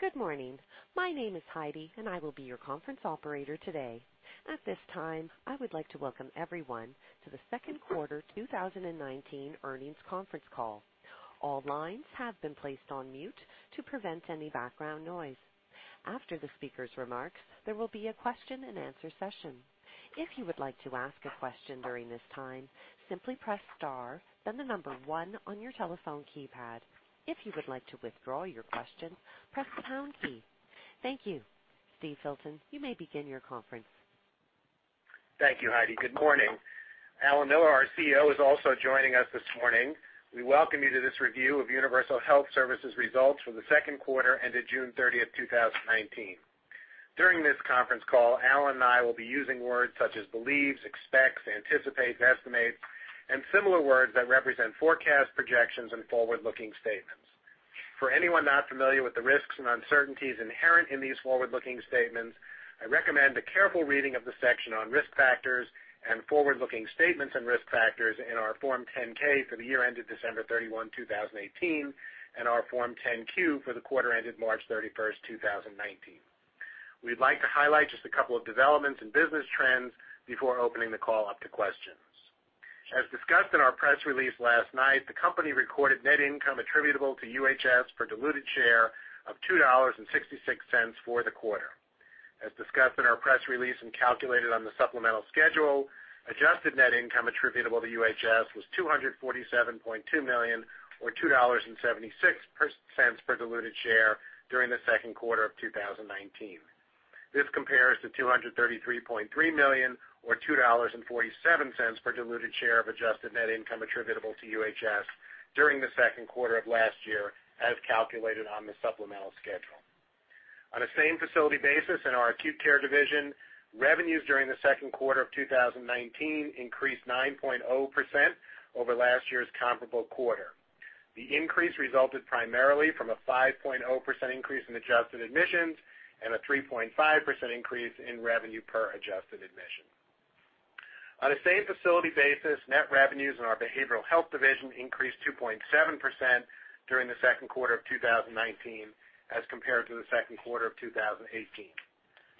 Good morning. My name is Heidi, and I will be your conference operator today. At this time, I would like to welcome everyone to the second quarter 2019 earnings conference call. All lines have been placed on mute to prevent any background noise. After the speaker's remarks, there will be a question and answer session. If you would like to ask a question during this time, simply press star, then the number 1 on your telephone keypad. If you would like to withdraw your question, press pound key. Thank you. Steve Filton, you may begin your conference. Thank you, Heidi. Good morning. Alan Miller, our CEO, is also joining us this morning. We welcome you to this review of Universal Health Services results for the second quarter ended June 30th, 2019. During this conference call, Alan and I will be using words such as believes, expects, anticipates, estimates, and similar words that represent forecast projections and forward-looking statements. For anyone not familiar with the risks and uncertainties inherent in these forward-looking statements, I recommend a careful reading of the section on risk factors and forward-looking statements and risk factors in our Form 10-K for the year ended December 31, 2018, and our Form 10-Q for the quarter ended March 31st, 2019. We'd like to highlight just a couple of developments and business trends before opening the call up to questions. As discussed in our press release last night, the company recorded net income attributable to UHS for diluted share of $2.66 for the quarter. As discussed in our press release and calculated on the supplemental schedule, adjusted net income attributable to UHS was $247.2 million, or $2.76 for diluted share during the second quarter of 2019. This compares to $233.3 million, or $2.47 for diluted share of adjusted net income attributable to UHS during the second quarter of last year, as calculated on the supplemental schedule. On a same facility basis in our acute care division, revenues during the second quarter of 2019 increased 9.0% over last year's comparable quarter. The increase resulted primarily from a 5.0% increase in adjusted admissions and a 3.5% increase in revenue per adjusted admission. On a same facility basis, net revenues in our behavioral health division increased 2.7% during the second quarter of 2019 as compared to the second quarter of 2018.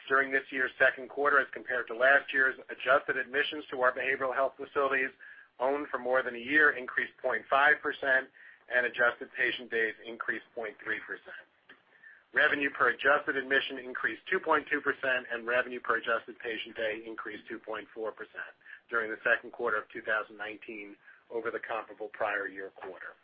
During this year's second quarter as compared to last year's, adjusted admissions to our behavioral health facilities owned for more than a year increased 0.5%, and adjusted patient days increased 0.3%. Revenue per adjusted admission increased 2.2%, and revenue per adjusted patient day increased 2.4% during the second quarter of 2019 over the comparable prior year quarter.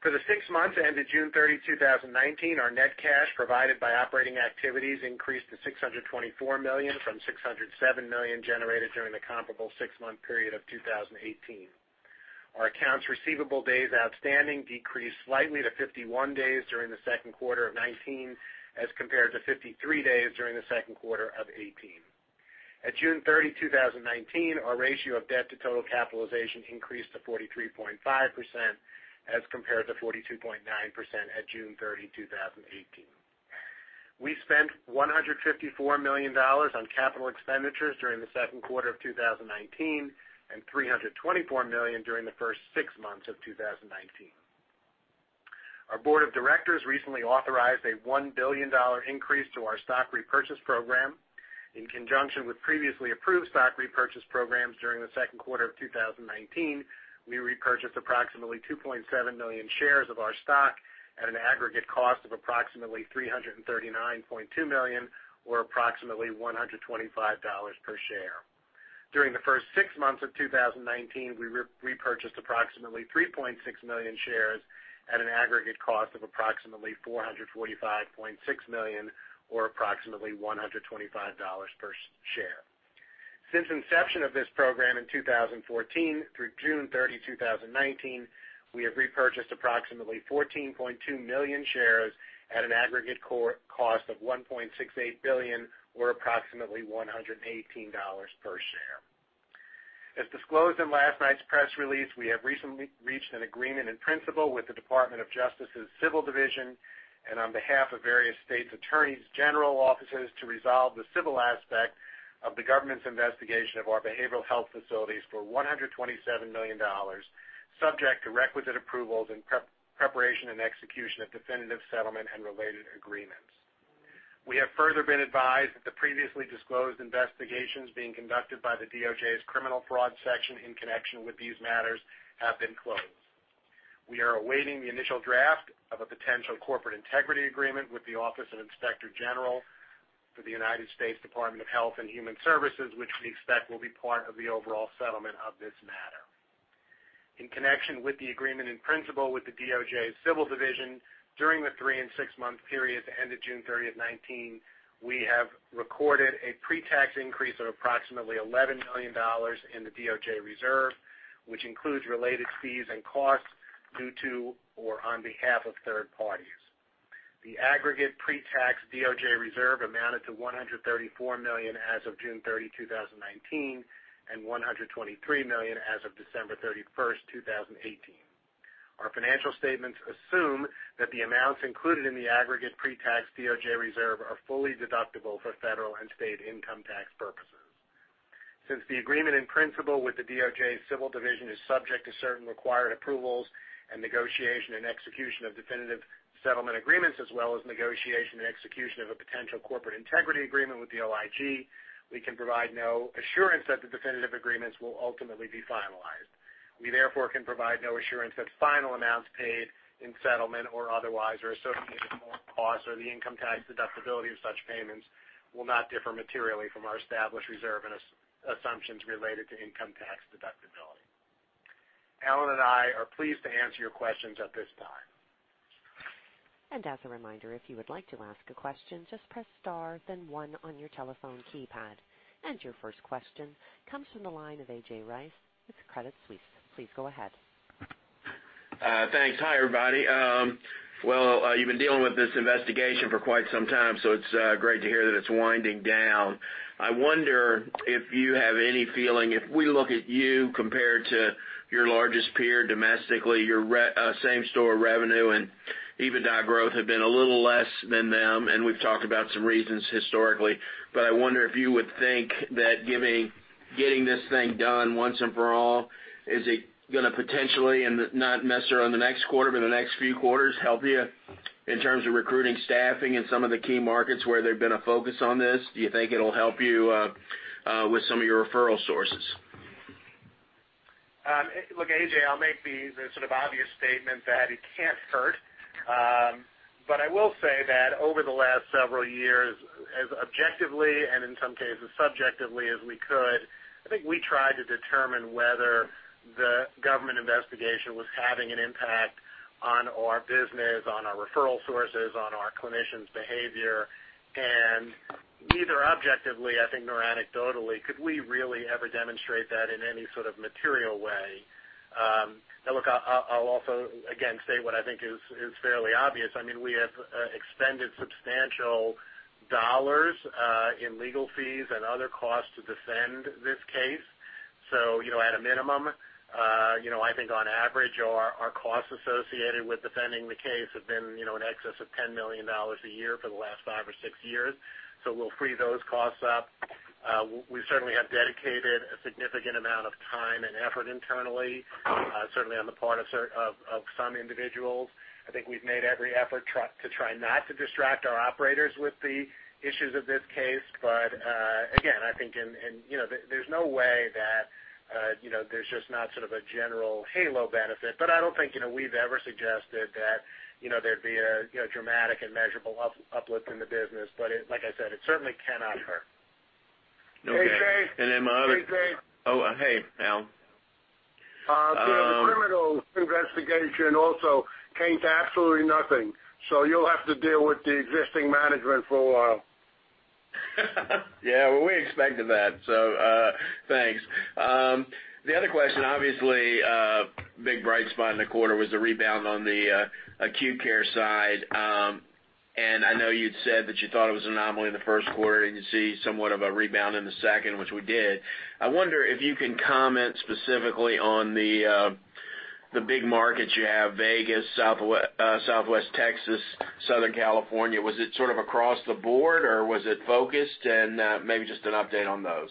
For the six months ended June 30th, 2019, our net cash provided by operating activities increased to $624 million from $607 million generated during the comparable six-month period of 2018. Our accounts receivable days outstanding decreased slightly to 51 days during the second quarter of 2019 as compared to 53 days during the second quarter of 2018. At June 30, 2019, our ratio of debt to total capitalization increased to 43.5% as compared to 42.9% at June 30, 2018. We spent $154 million on capital expenditures during the second quarter of 2019 and $324 million during the first six months of 2019. Our board of directors recently authorized a $1 billion increase to our stock repurchase program. In conjunction with previously approved stock repurchase programs during the second quarter of 2019, we repurchased approximately 2.7 million shares of our stock at an aggregate cost of approximately $339.2 million, or approximately $125 per share. During the first six months of 2019, we repurchased approximately 3.6 million shares at an aggregate cost of approximately $445.6 million, or approximately $125 per share. Since inception of this program in 2014 through June 30, 2019, we have repurchased approximately 14.2 million shares at an aggregate cost of $1.68 billion, or approximately $118 per share. As disclosed in last night's press release, we have recently reached an agreement in principle with the Department of Justice's Civil Division, and on behalf of various state's Attorneys General offices, to resolve the civil aspect of the government's investigation of our behavioral health facilities for $127 million, subject to requisite approvals and preparation and execution of definitive settlement and related agreements. We have further been advised that the previously disclosed investigations being conducted by the DOJ's Criminal Fraud Section in connection with these matters have been closed. We are awaiting the initial draft of a potential corporate integrity agreement with the Office of Inspector General for the United States Department of Health and Human Services, which we expect will be part of the overall settlement of this matter. In connection with the agreement in principle with the DOJ Civil Division, during the three and six-month periods ended June 30, 2019, we have recorded a pre-tax increase of approximately $11 million in the DOJ reserve, which includes related fees and costs due to or on behalf of third parties. The aggregate pre-tax DOJ reserve amounted to $134 million as of June 30, 2019, and $123 million as of December 31, 2018. Our financial statements assume that the amounts included in the aggregate pre-tax DOJ reserve are fully deductible for federal and state income tax purposes. Since the agreement in principle with the DOJ's Civil Division is subject to certain required approvals and negotiation and execution of definitive settlement agreements, as well as negotiation and execution of a potential corporate integrity agreement with the OIG, we can provide no assurance that the definitive agreements will ultimately be finalized. We therefore can provide no assurance that final amounts paid in settlement or otherwise are associated with more costs or the income tax deductibility of such payments will not differ materially from our established reserve and assumptions related to income tax deductibility. Alan and I are pleased to answer your questions at this time. As a reminder, if you would like to ask a question, just press star then one on your telephone keypad. Your first question comes from the line of A.J. Rice with Credit Suisse. Please go ahead. Thanks. Hi, everybody. You've been dealing with this investigation for quite some time, so it's great to hear that it's winding down. I wonder if you have any feeling, if we look at you compared to your largest peer domestically, your same-store revenue and EBITDA growth have been a little less than them, and we've talked about some reasons historically. I wonder if you would think that getting this thing done once and for all, is it going to potentially, and not necessarily on the next quarter, but the next few quarters, help you in terms of recruiting staffing in some of the key markets where there's been a focus on this? Do you think it'll help you with some of your referral sources? Look, A.J., I'll make the sort of obvious statement that it can't hurt. I will say that over the last several years, as objectively and in some cases subjectively as we could, I think we tried to determine whether the government investigation was having an impact on our business, on our referral sources, on our clinicians' behavior, and neither objectively, I think, nor anecdotally could we really ever demonstrate that in any sort of material way. Look, I'll also again say what I think is fairly obvious. I mean, we have expended substantial dollars in legal fees and other costs to defend this case. At a minimum, I think on average, our costs associated with defending the case have been in excess of $10 million a year for the last five or six years. We'll free those costs up. We certainly have dedicated a significant amount of time and effort internally, certainly on the part of some individuals. I think we've made every effort to try not to distract our operators with the issues of this case. Again, I think there's no way that there's just not sort of a general halo benefit. I don't think we've ever suggested that there'd be a dramatic and measurable uplift in the business. Like I said, it certainly cannot hurt. Okay. A.J.? A.J.? Oh, hey, Al. The criminal investigation also came to absolutely nothing. You'll have to deal with the existing management for a while. Well, we expected that. Thanks. The other question, obviously, big bright spot in the quarter was the rebound on the acute care side. I know you'd said that you thought it was an anomaly in the first quarter, and you'd see somewhat of a rebound in the second, which we did. I wonder if you can comment specifically on the big markets you have, Vegas, Southwest Texas, Southern California. Was it sort of across the board, or was it focused? Maybe just an update on those.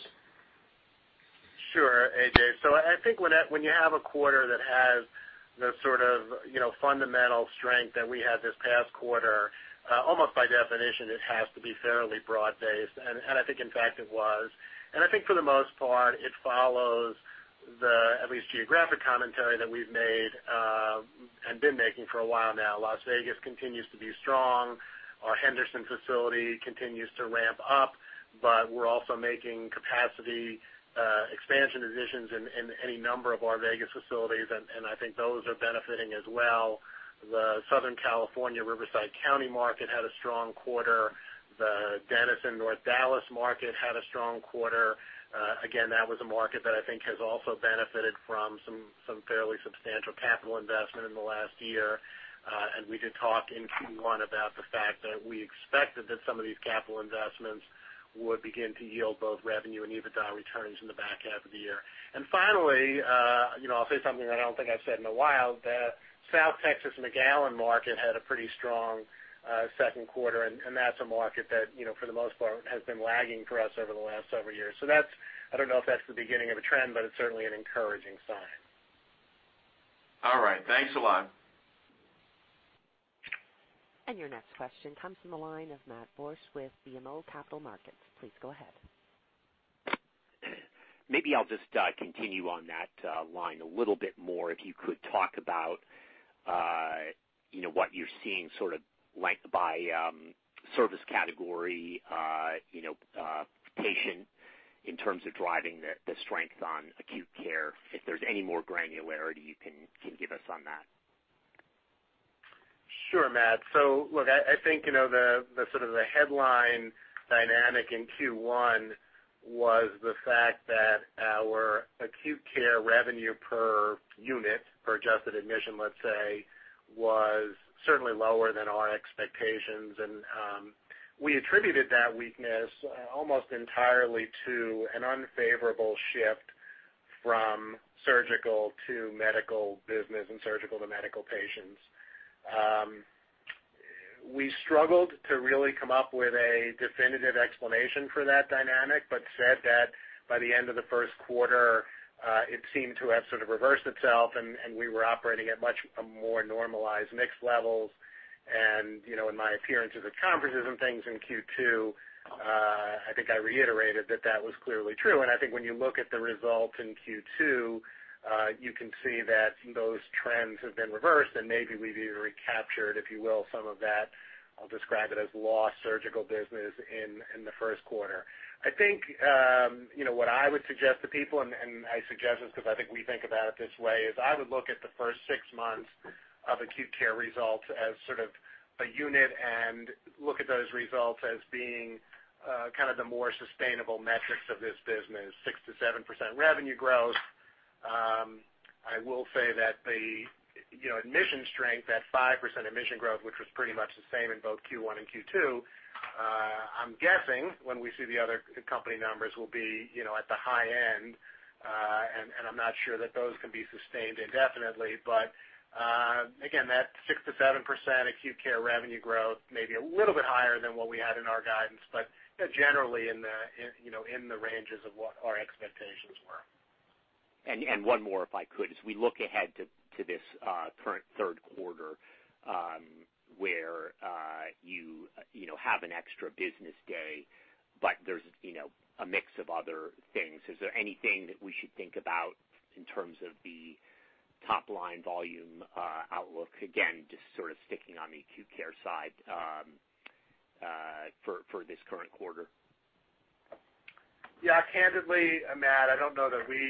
I think when you have a quarter that has the sort of fundamental strength that we had this past quarter, almost by definition, it has to be fairly broad-based, and I think in fact, it was. I think for the most part, it follows the, at least geographic commentary that we've made and been making for a while now. Las Vegas continues to be strong. Our Henderson facility continues to ramp up, but we're also making capacity expansion decisions in any number of our Vegas facilities, and I think those are benefiting as well. The Southern California Riverside County market had a strong quarter. The Denton North Dallas market had a strong quarter. Again, that was a market that I think has also benefited from some fairly substantial capital investment in the last year. We did talk in Q1 about the fact that we expected that some of these capital investments would begin to yield both revenue and EBITDA returns in the back half of the year. Finally, I'll say something that I don't think I've said in a while, the South Texas McAllen market had a pretty strong second quarter, and that's a market that, for the most part, has been lagging for us over the last several years. I don't know if that's the beginning of a trend, but it's certainly an encouraging sign. All right. Thanks a lot. Your next question comes from the line of Matt Borsch with BMO Capital Markets. Please go ahead. Maybe I'll just continue on that line a little bit more. If you could talk about what you're seeing sort of length by service category, patient in terms of driving the strength on acute care, if there's any more granularity you can give us on that. Sure, Matt. Look, I think the sort of the headline dynamic in Q1 was the fact that our acute care revenue per unit, per adjusted admission, let's say, was certainly lower than our expectations. We attributed that weakness almost entirely to an unfavorable shift from surgical to medical business and surgical to medical patients. We struggled to really come up with a definitive explanation for that dynamic, said that by the end of the first quarter, it seemed to have sort of reversed itself, and we were operating at much more normalized mix levels. In my appearances at conferences and things in Q2, I think I reiterated that that was clearly true. I think when you look at the results in Q2, you can see that those trends have been reversed, and maybe we've even recaptured, if you will, some of that, I'll describe it as lost surgical business in the first quarter. What I would suggest to people, and I suggest this because I think we think about it this way, is I would look at the first six months of acute care results as sort of a unit and look at those results as being kind of the more sustainable metrics of this business, 6%-7% revenue growth. I will say that the admission strength, that 5% admission growth, which was pretty much the same in both Q1 and Q2, I'm guessing, when we see the other company numbers, will be at the high end. I'm not sure that those can be sustained indefinitely, but again, that 6%-7% acute care revenue growth, maybe a little bit higher than what we had in our guidance, but generally in the ranges of what our expectations were. One more, if I could. As we look ahead to this current third quarter, where you have an extra business day, but there's a mix of other things, is there anything that we should think about in terms of the top-line volume outlook, again, just sort of sticking on the acute care side, for this current quarter? Yeah. Candidly, Matt, I don't know that we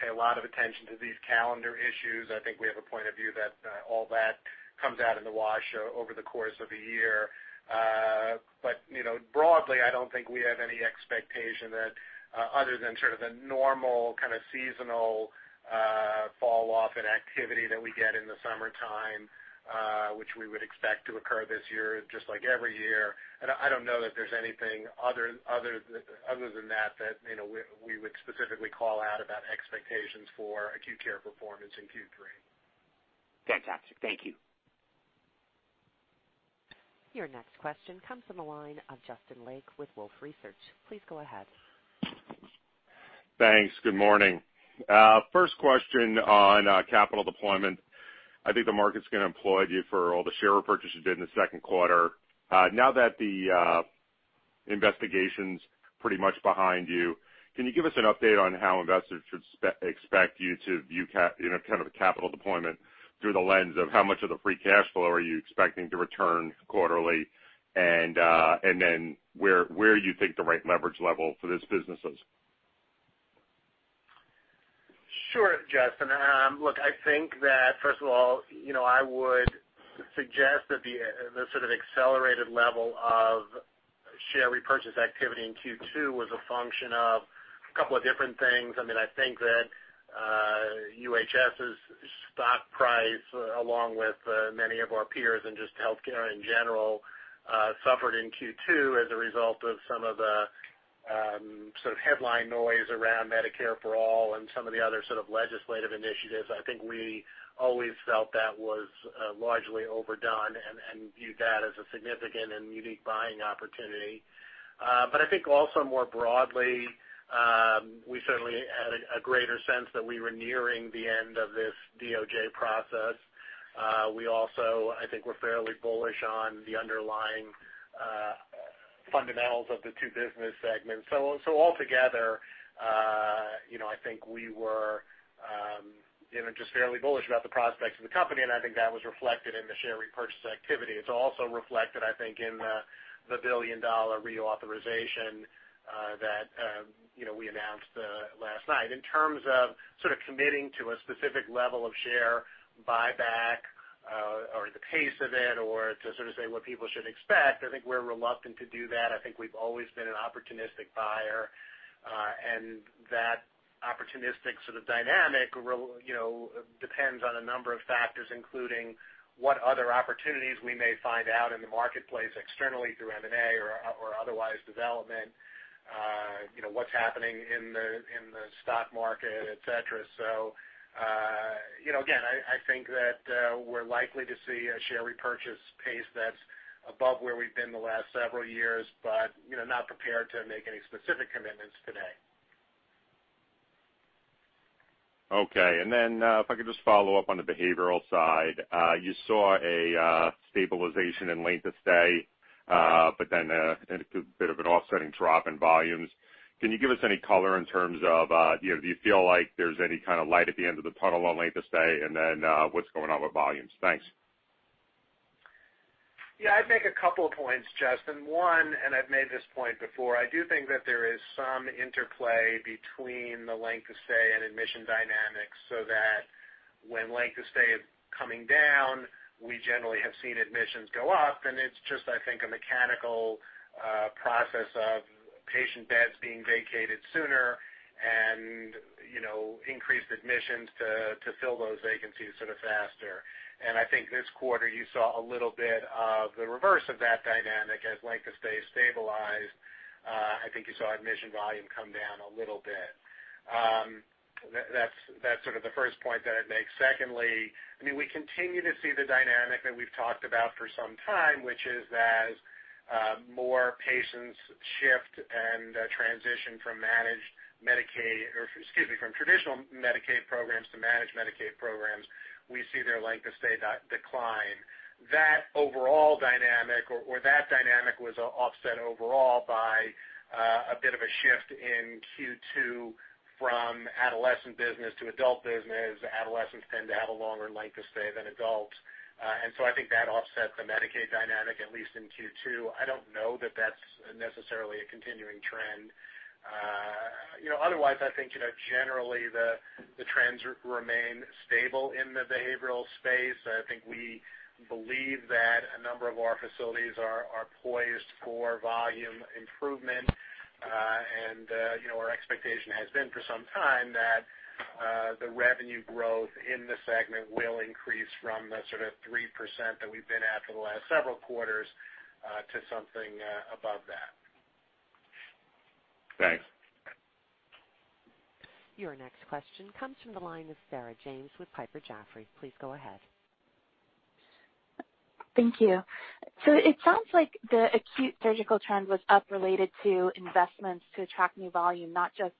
pay a lot of attention to these calendar issues. I think we have a point of view that all that comes out in the wash over the course of a year. Broadly, I don't think we have any expectation that, other than sort of the normal kind of seasonal fall-off in activity that we get in the summertime, which we would expect to occur this year, just like every year. I don't know that there's anything other than that we would specifically call out about expectations for acute care performance in Q3. Fantastic. Thank you. Your next question comes from the line of Justin Lake with Wolfe Research. Please go ahead. Thanks. Good morning. First question on capital deployment. I think the market's going to applaud you for all the share repurchase you did in the second quarter. Now that the investigation's pretty much behind you, can you give us an update on how investors should expect you to view kind of the capital deployment through the lens of how much of the free cash flow are you expecting to return quarterly, and then where you think the right leverage level for this business is? Sure, Justin. Look, I think that, first of all, I would suggest that the sort of accelerated level of share repurchase activity in Q2 was a function of a couple of different things. I think that UHS's stock price, along with many of our peers, and just healthcare in general, suffered in Q2 as a result of some of the sort of headline noise around Medicare For All and some of the other sort of legislative initiatives. I think we always felt that was largely overdone and viewed that as a significant and unique buying opportunity. I think also more broadly, we certainly had a greater sense that we were nearing the end of this DOJ process. We also, I think, were fairly bullish on the underlying fundamentals of the two business segments. Altogether, I think we were just fairly bullish about the prospects of the company, and I think that was reflected in the share repurchase activity. It's also reflected, I think, in the billion-dollar reauthorization that we announced last night. In terms of sort of committing to a specific level of share buyback, or the pace of it, or to sort of say what people should expect, I think we're reluctant to do that. I think we've always been an opportunistic buyer, and that opportunistic sort of dynamic depends on a number of factors, including what other opportunities we may find out in the marketplace externally through M&A or otherwise development. What's happening in the stock market, et cetera. Again, I think that we're likely to see a share repurchase pace that's above where we've been the last several years, but not prepared to make any specific commitments today. Okay, if I could just follow up on the behavioral side. You saw a stabilization in length of stay, a bit of an offsetting drop in volumes. Can you give us any color in terms of, do you feel like there's any kind of light at the end of the tunnel on length of stay? What's going on with volumes? Thanks. I'd make a couple of points, Justin. One, I've made this point before, I do think that there is some interplay between the length of stay and admission dynamics, so that when length of stay is coming down, we generally have seen admissions go up, and it's just, I think, a mechanical process of patient beds being vacated sooner and increased admissions to fill those vacancies sort of faster. I think this quarter you saw a little bit of the reverse of that dynamic as length of stay stabilized, I think you saw admission volume come down a little bit. That's the first point that I'd make. Secondly, we continue to see the dynamic that we've talked about for some time, which is as more patients shift and transition from traditional Medicaid programs to managed Medicaid programs, we see their length of stay decline. That overall dynamic, or that dynamic was offset overall by a bit of a shift in Q2 from adolescent business to adult business. Adolescents tend to have a longer length of stay than adults. I think that offsets the Medicaid dynamic, at least in Q2. I don't know that that's necessarily a continuing trend. I think, generally, the trends remain stable in the behavioral space. I think we believe that a number of our facilities are poised for volume improvement. Our expectation has been for some time that the revenue growth in the segment will increase from the 3% that we've been at for the last several quarters to something above that. Thanks. Your next question comes from the line of Sarah James with Piper Jaffray. Please go ahead. Thank you. It sounds like the acute surgical trend was up related to investments to attract new volume, not just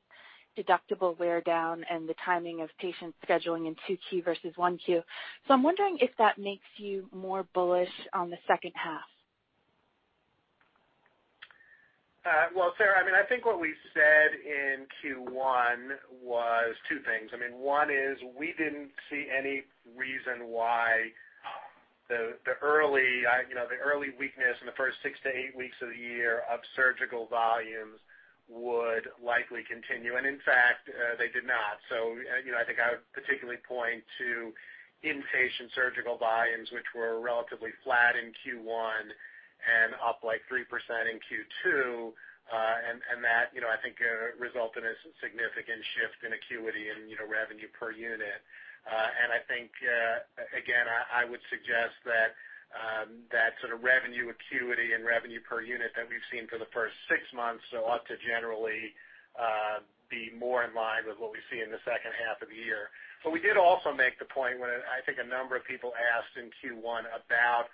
deductible wear-down and the timing of patient scheduling in 2Q versus 1Q. I'm wondering if that makes you more bullish on the second half. Well, Sarah, I think what we said in Q1 was two things. One is we didn't see any reason why the early weakness in the first six to eight weeks of the year of surgical volumes would likely continue. In fact, they did not. I think I would particularly point to inpatient surgical volumes, which were relatively flat in Q1 and up 3% in Q2. That, I think, resulted in a significant shift in acuity and revenue per unit. I think, again, I would suggest that sort of revenue acuity and revenue per unit that we've seen for the first six months ought to generally be more in line with what we see in the second half of the year. We did also make the point when I think a number of people asked in Q1 about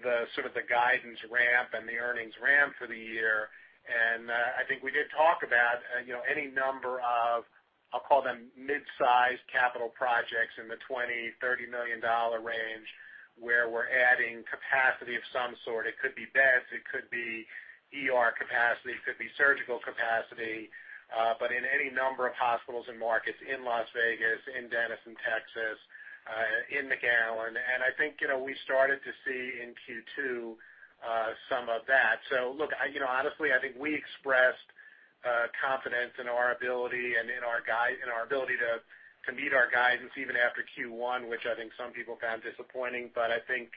the sort of the guidance ramp and the earnings ramp for the year. I think we did talk about any number of, I'll call them mid-size capital projects in the $20 million-$30 million range, where we're adding capacity of some sort. It could be beds, it could be ER capacity, it could be surgical capacity. In any number of hospitals and markets in Las Vegas, in Denton, Texas, in Maryland, and I think we started to see in Q2 some of that. Look, honestly, I think we expressed confidence in our ability and in our ability to meet our guidance even after Q1, which I think some people found disappointing. I think,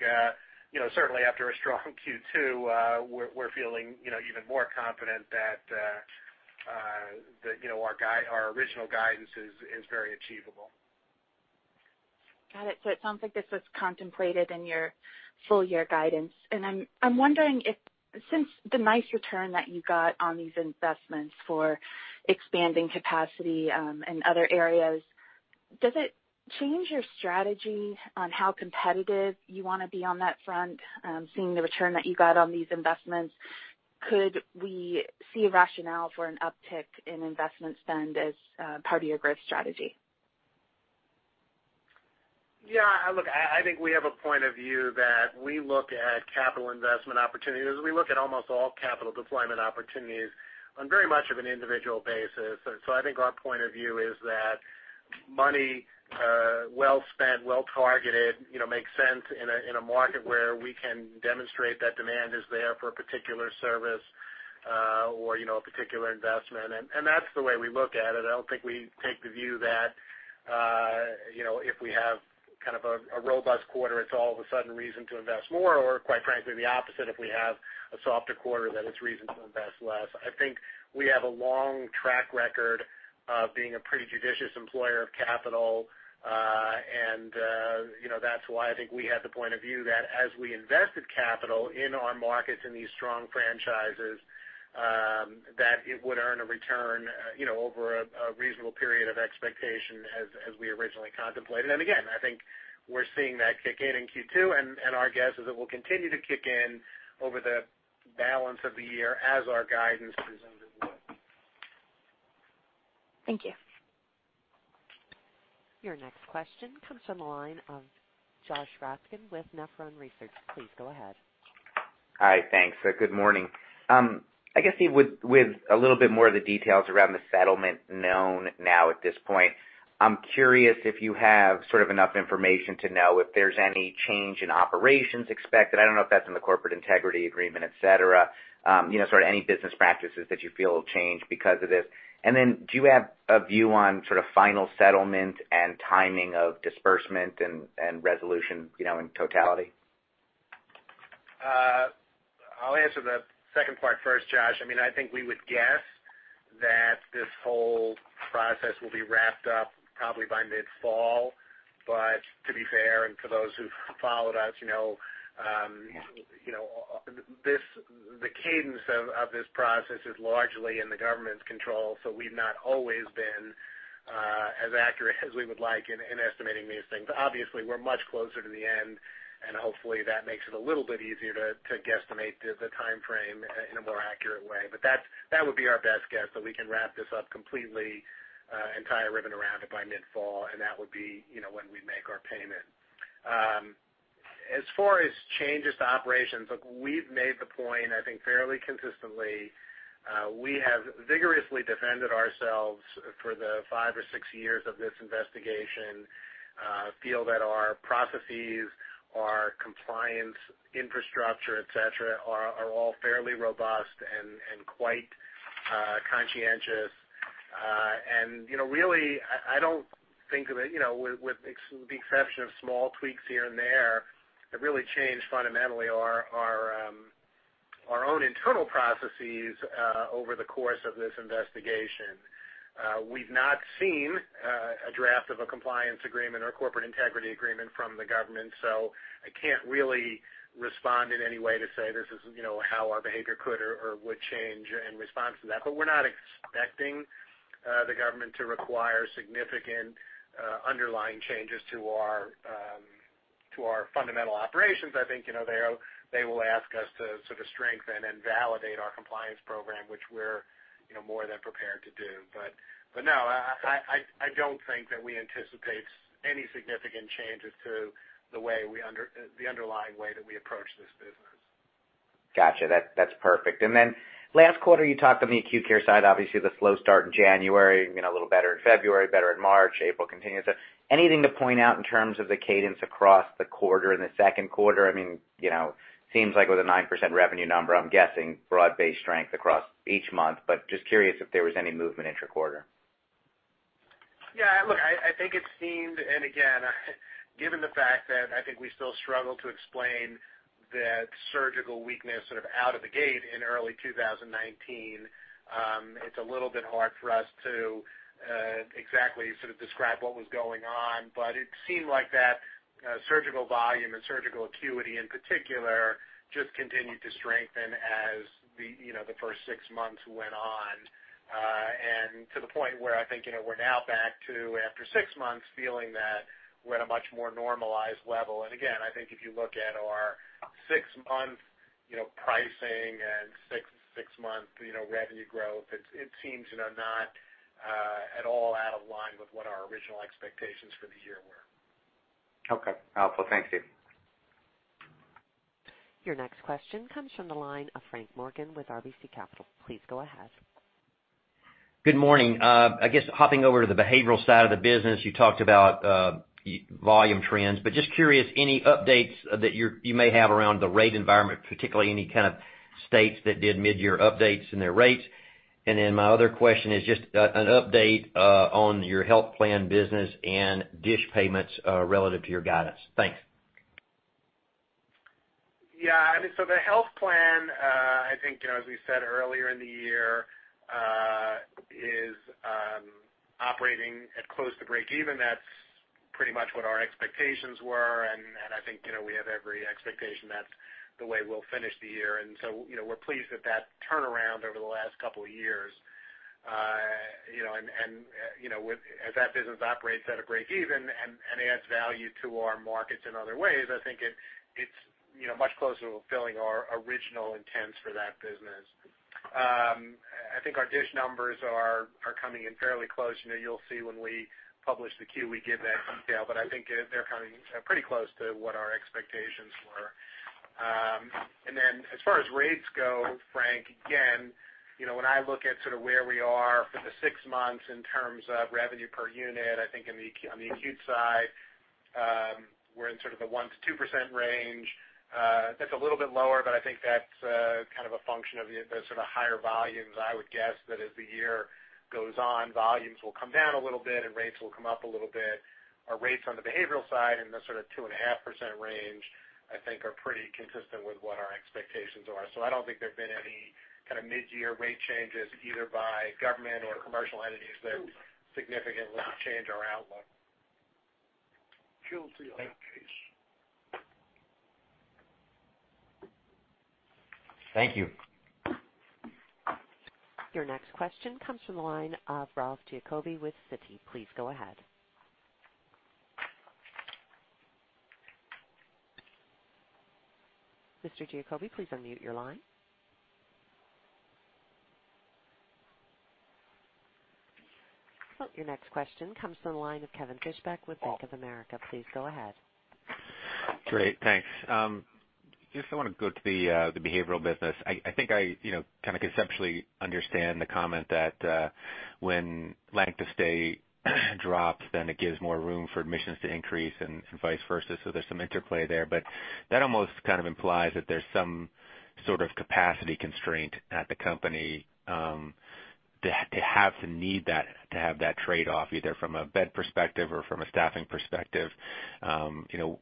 certainly after a strong Q2 we're feeling even more confident that our original guidance is very achievable. Got it. It sounds like this was contemplated in your full-year guidance. I'm wondering if, since the nice return that you got on these investments for expanding capacity in other areas, does it change your strategy on how competitive you want to be on that front? Seeing the return that you got on these investments, could we see a rationale for an uptick in investment spend as part of your growth strategy? Look, I think we have a point of view that we look at capital investment opportunities, we look at almost all capital deployment opportunities on very much of an individual basis. I think our point of view is that money well spent, well-targeted, makes sense in a market where we can demonstrate that demand is there for a particular service or a particular investment. That's the way we look at it. I don't think we take the view that if we have kind of a robust quarter, it's all of a sudden reason to invest more, or quite frankly, the opposite, if we have a softer quarter, then it's reason to invest less. I think we have a long track record of being a pretty judicious employer of capital. That's why I think we have the point of view that as we invested capital in our markets in these strong franchises, that it would earn a return over a reasonable period of expectation as we originally contemplated. Again, I think we're seeing that kick in in Q2, and our guess is it will continue to kick in over the balance of the year as our guidance presumed it would. Thank you. Your next question comes from the line of Josh Raskin with Nephron Research. Please go ahead. Hi, thanks. Good morning. I guess with a little bit more of the details around the settlement known now at this point, I'm curious if you have sort of enough information to know if there's any change in operations expected. I don't know if that's in the corporate integrity agreement, et cetera, sort of any business practices that you feel have changed because of this. Do you have a view on sort of final settlement and timing of disbursement and resolution in totality? I'll answer the second part first, Josh. I think we would guess that this whole process will be wrapped up probably by mid-fall. To be fair, and for those who've followed us, the cadence of this process is largely in the government's control. We've not always been as accurate as we would like in estimating these things. Obviously, we're much closer to the end, and hopefully, that makes it a little bit easier to guesstimate the timeframe in a more accurate way. That would be our best guess, that we can wrap this up completely and tie a ribbon around it by mid-fall, and that would be when we make our payment. As far as changes to operations, look, we've made the point, I think, fairly consistently. We have vigorously defended ourselves for the five or six years of this investigation, feel that our processes, our compliance infrastructure, et cetera, are all fairly robust and quite conscientious. Really, I don't think that, with the exception of small tweaks here and there, have really changed fundamentally our own internal processes over the course of this investigation. We've not seen a draft of a compliance agreement or corporate integrity agreement from the government, I can't really respond in any way to say this is how our behavior could or would change in response to that. We're not expecting the government to require significant underlying changes to our fundamental operations. I think, they will ask us to sort of strengthen and validate our compliance program, which we're more than prepared to do. No, I don't think that we anticipate any significant changes to the underlying way that we approach this business. Got you. That's perfect. Last quarter, you talked on the acute care side, obviously the slow start in January, a little better in February, better in March, April continued. Anything to point out in terms of the cadence across the quarter, in the second quarter? I mean, seems like with a 9% revenue number, I'm guessing broad-based strength across each month, but just curious if there was any movement inter-quarter. Look, I think it seemed, again given the fact that I think we still struggle to explain that surgical weakness sort of out of the gate in early 2019, it's a little bit hard for us to exactly sort of describe what was going on. It seemed like that surgical volume and surgical acuity in particular, just continued to strengthen as the first six months went on. To the point where I think, we're now back to, after six months, feeling that we're at a much more normalized level. Again, I think if you look at our six-month pricing and six-month revenue growth, it seems not at all out of line with what our original expectations for the year were. Okay. Helpful. Thank you. Your next question comes from the line of Frank Morgan with RBC Capital. Please go ahead. Good morning. I guess hopping over to the behavioral side of the business, you talked about volume trends, but just curious, any updates that you may have around the rate environment, particularly any kind of states that did mid-year updates in their rates? My other question is just an update on your health plan business and DSH payments, relative to your guidance. Thanks. Yeah. I mean, the health plan, I think as we said earlier in the year, is operating at close to breakeven. That's pretty much what our expectations were, and I think, we have every expectation that's the way we'll finish the year. We're pleased with that turnaround over the last couple of years. As that business operates at a breakeven and adds value to our markets in other ways, I think it's much closer to fulfilling our original intents for that business. I think our DSH numbers are coming in fairly close. You'll see when we publish the Q, we give that detail, but I think they're coming pretty close to what our expectations were. As far as rates go, Frank, again, when I look at sort of where we are for the six months in terms of revenue per unit, I think on the acute side, we're in sort of the 1%-2% range. That's a little bit lower, but I think that's kind of a function of the sort of higher volumes. I would guess that as the year goes on, volumes will come down a little bit and rates will come up a little bit. Our rates on the behavioral side, in the sort of 2.5% range, I think are pretty consistent with what our expectations are. I don't think there've been any kind of mid-year rate changes either by government or commercial entities that significantly change our outlook. Thank you. Your next question comes from the line of Ralph Giacobbe with Citi. Please go ahead. Mr. Giacobbe, please unmute your line. Your next question comes from the line of Kevin Fischbeck with Bank of America. Please go ahead. Great, thanks. Want to go to the behavioral business. I kind of conceptually understand the comment that when length of stay drops, then it gives more room for admissions to increase and vice versa, so there's some interplay there. That almost kind of implies that there's some sort of capacity constraint at the company, to have to need that, to have that trade-off, either from a bed perspective or from a staffing perspective.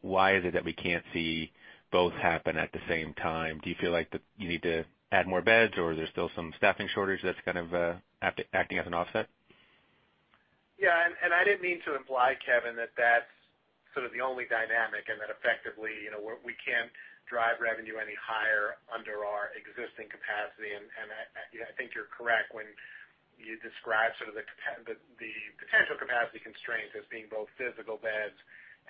Why is it that we can't see both happen at the same time? Do you feel like you need to add more beds, or there's still some staffing shortage that's kind of acting as an offset? Yeah, I didn't mean to imply, Kevin, that that's sort of the only dynamic and that effectively, we can't drive revenue any higher under our existing capacity. I think you're correct when you describe sort of the potential capacity constraints as being both physical beds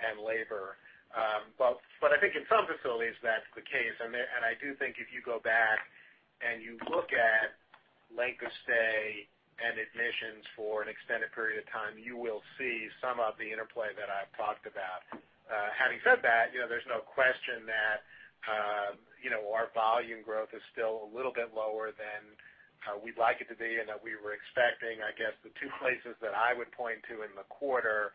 and labor. I think in some facilities, that's the case. I do think if you go back and you look at length of stay and admissions for an extended period of time, you will see some of the interplay that I've talked about. Having said that, there's no question that our volume growth is still a little bit lower than how we'd like it to be and that we were expecting. I guess the two places that I would point to in the quarter,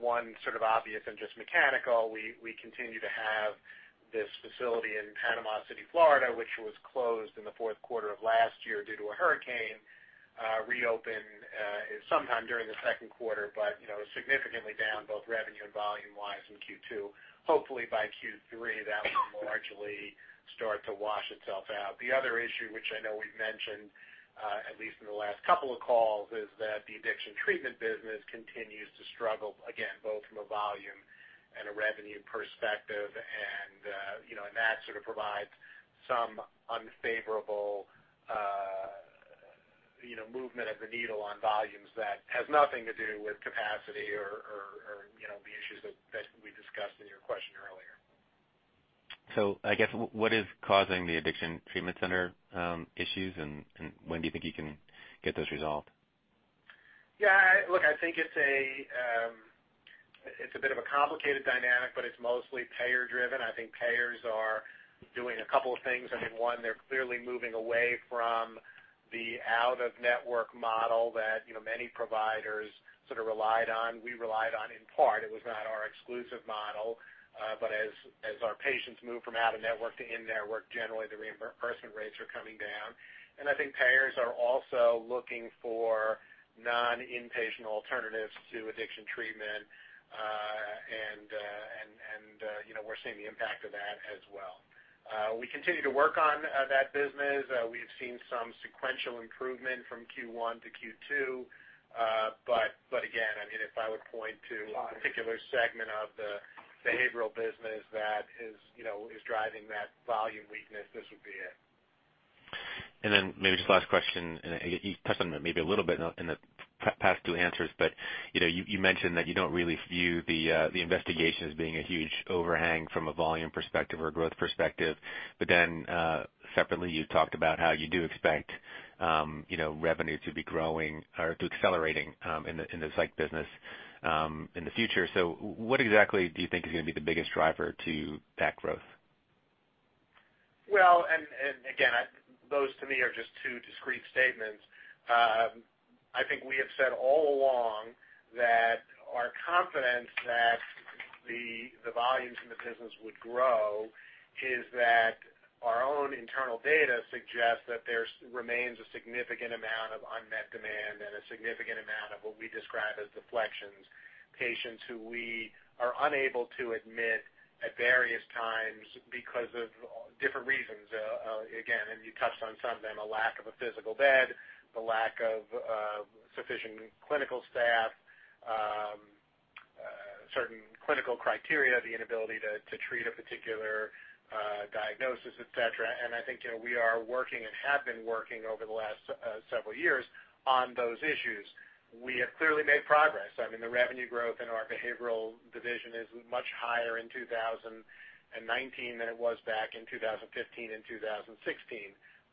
one sort of obvious and just mechanical, we continue to have this facility in Panama City, Florida, which was closed in the fourth quarter of last year due to a hurricane, reopen sometime during the second quarter. Significantly down both revenue and volume-wise in Q2. Hopefully by Q3, that will largely start to wash itself out. The other issue, which I know we've mentioned, at least in the last couple of calls, is that the addiction treatment business continues to struggle, again, both from a volume and a revenue perspective. That sort of provides some unfavorable movement of the needle on volumes that has nothing to do with capacity or the issues that we discussed in your question earlier. I guess, what is causing the addiction treatment center issues, and when do you think you can get those resolved? Yeah, look, I think it's a bit of a complicated dynamic, but it's mostly payer-driven. I think payers are doing a couple of things. I mean, one, they're clearly moving away from the out-of-network model that many providers sort of relied on, we relied on in part. It was not our exclusive model. As our patients move from out-of-network to in-network, generally the reimbursement rates are coming down. I think payers are also looking for non-inpatient alternatives to addiction treatment, and we're seeing the impact of that as well. We continue to work on that business. We've seen some sequential improvement from Q1 to Q2. Again, I mean, if I would point to a particular segment of the behavioral business that is driving that volume weakness, this would be it. Maybe just last question, and you touched on it maybe a little bit in the past two answers, but you mentioned that you don't really view the investigation as being a huge overhang from a volume perspective or growth perspective. Separately, you talked about how you do expect revenue to be growing or to accelerating in the psych business in the future. What exactly do you think is going to be the biggest driver to that growth? Well, again, those to me are just two discrete statements. I think we have said all along that our confidence that the volumes in the business would grow is that our own internal data suggests that there remains a significant amount of unmet demand and a significant amount of what we describe as deflections. Patients who we are unable to admit at various times because of different reasons. Again, you touched on some of them, a lack of a physical bed, the lack of sufficient clinical staff, certain clinical criteria, the inability to treat a particular diagnosis, et cetera. I think we are working and have been working over the last several years on those issues. We have clearly made progress. I mean, the revenue growth in our behavioral division is much higher in 2019 than it was back in 2015 and 2016.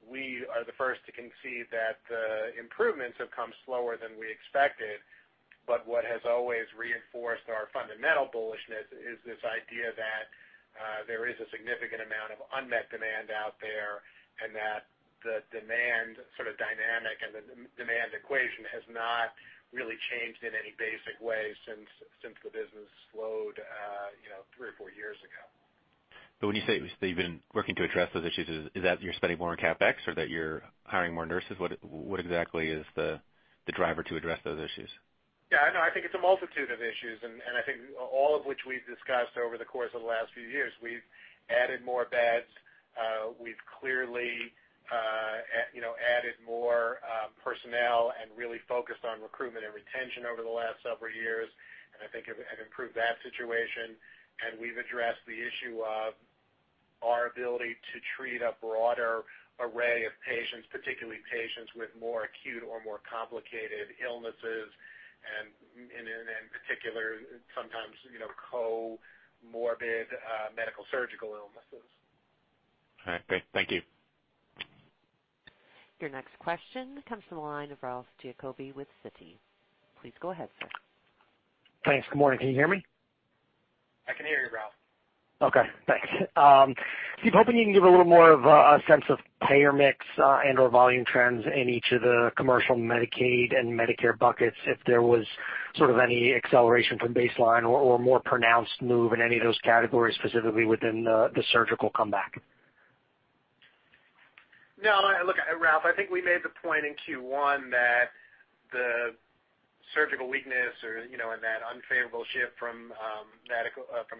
We are the first to concede that the improvements have come slower than we expected. What has always reinforced our fundamental bullishness is this idea that there is a significant amount of unmet demand out there, and that the demand sort of dynamic and the demand equation has not really changed in any basic way since the business slowed three or four years ago. When you say that you've been working to address those issues, is that you're spending more on CapEx or that you're hiring more nurses? What exactly is the driver to address those issues? Yeah, no, I think it's a multitude of issues, and I think all of which we've discussed over the course of the last few years. We've added more beds. We've clearly added more personnel and really focused on recruitment and retention over the last several years and I think have improved that situation. We've addressed the issue of our ability to treat a broader array of patients, particularly patients with more acute or more complicated illnesses, and in particular, sometimes comorbid medical surgical illnesses. All right. Great. Thank you. Your next question comes from the line of Ralph Giacobbe with Citi. Please go ahead, sir. Thanks. Good morning. Can you hear me? I can hear you, Ralph. Okay, thanks. Steve, hoping you can give a little more of a sense of payer mix and/or volume trends in each of the commercial Medicaid and Medicare buckets, if there was sort of any acceleration from baseline or more pronounced move in any of those categories, specifically within the surgical comeback. No, look, Ralph, I think we made the point in Q1 that the surgical weakness or that unfavorable shift from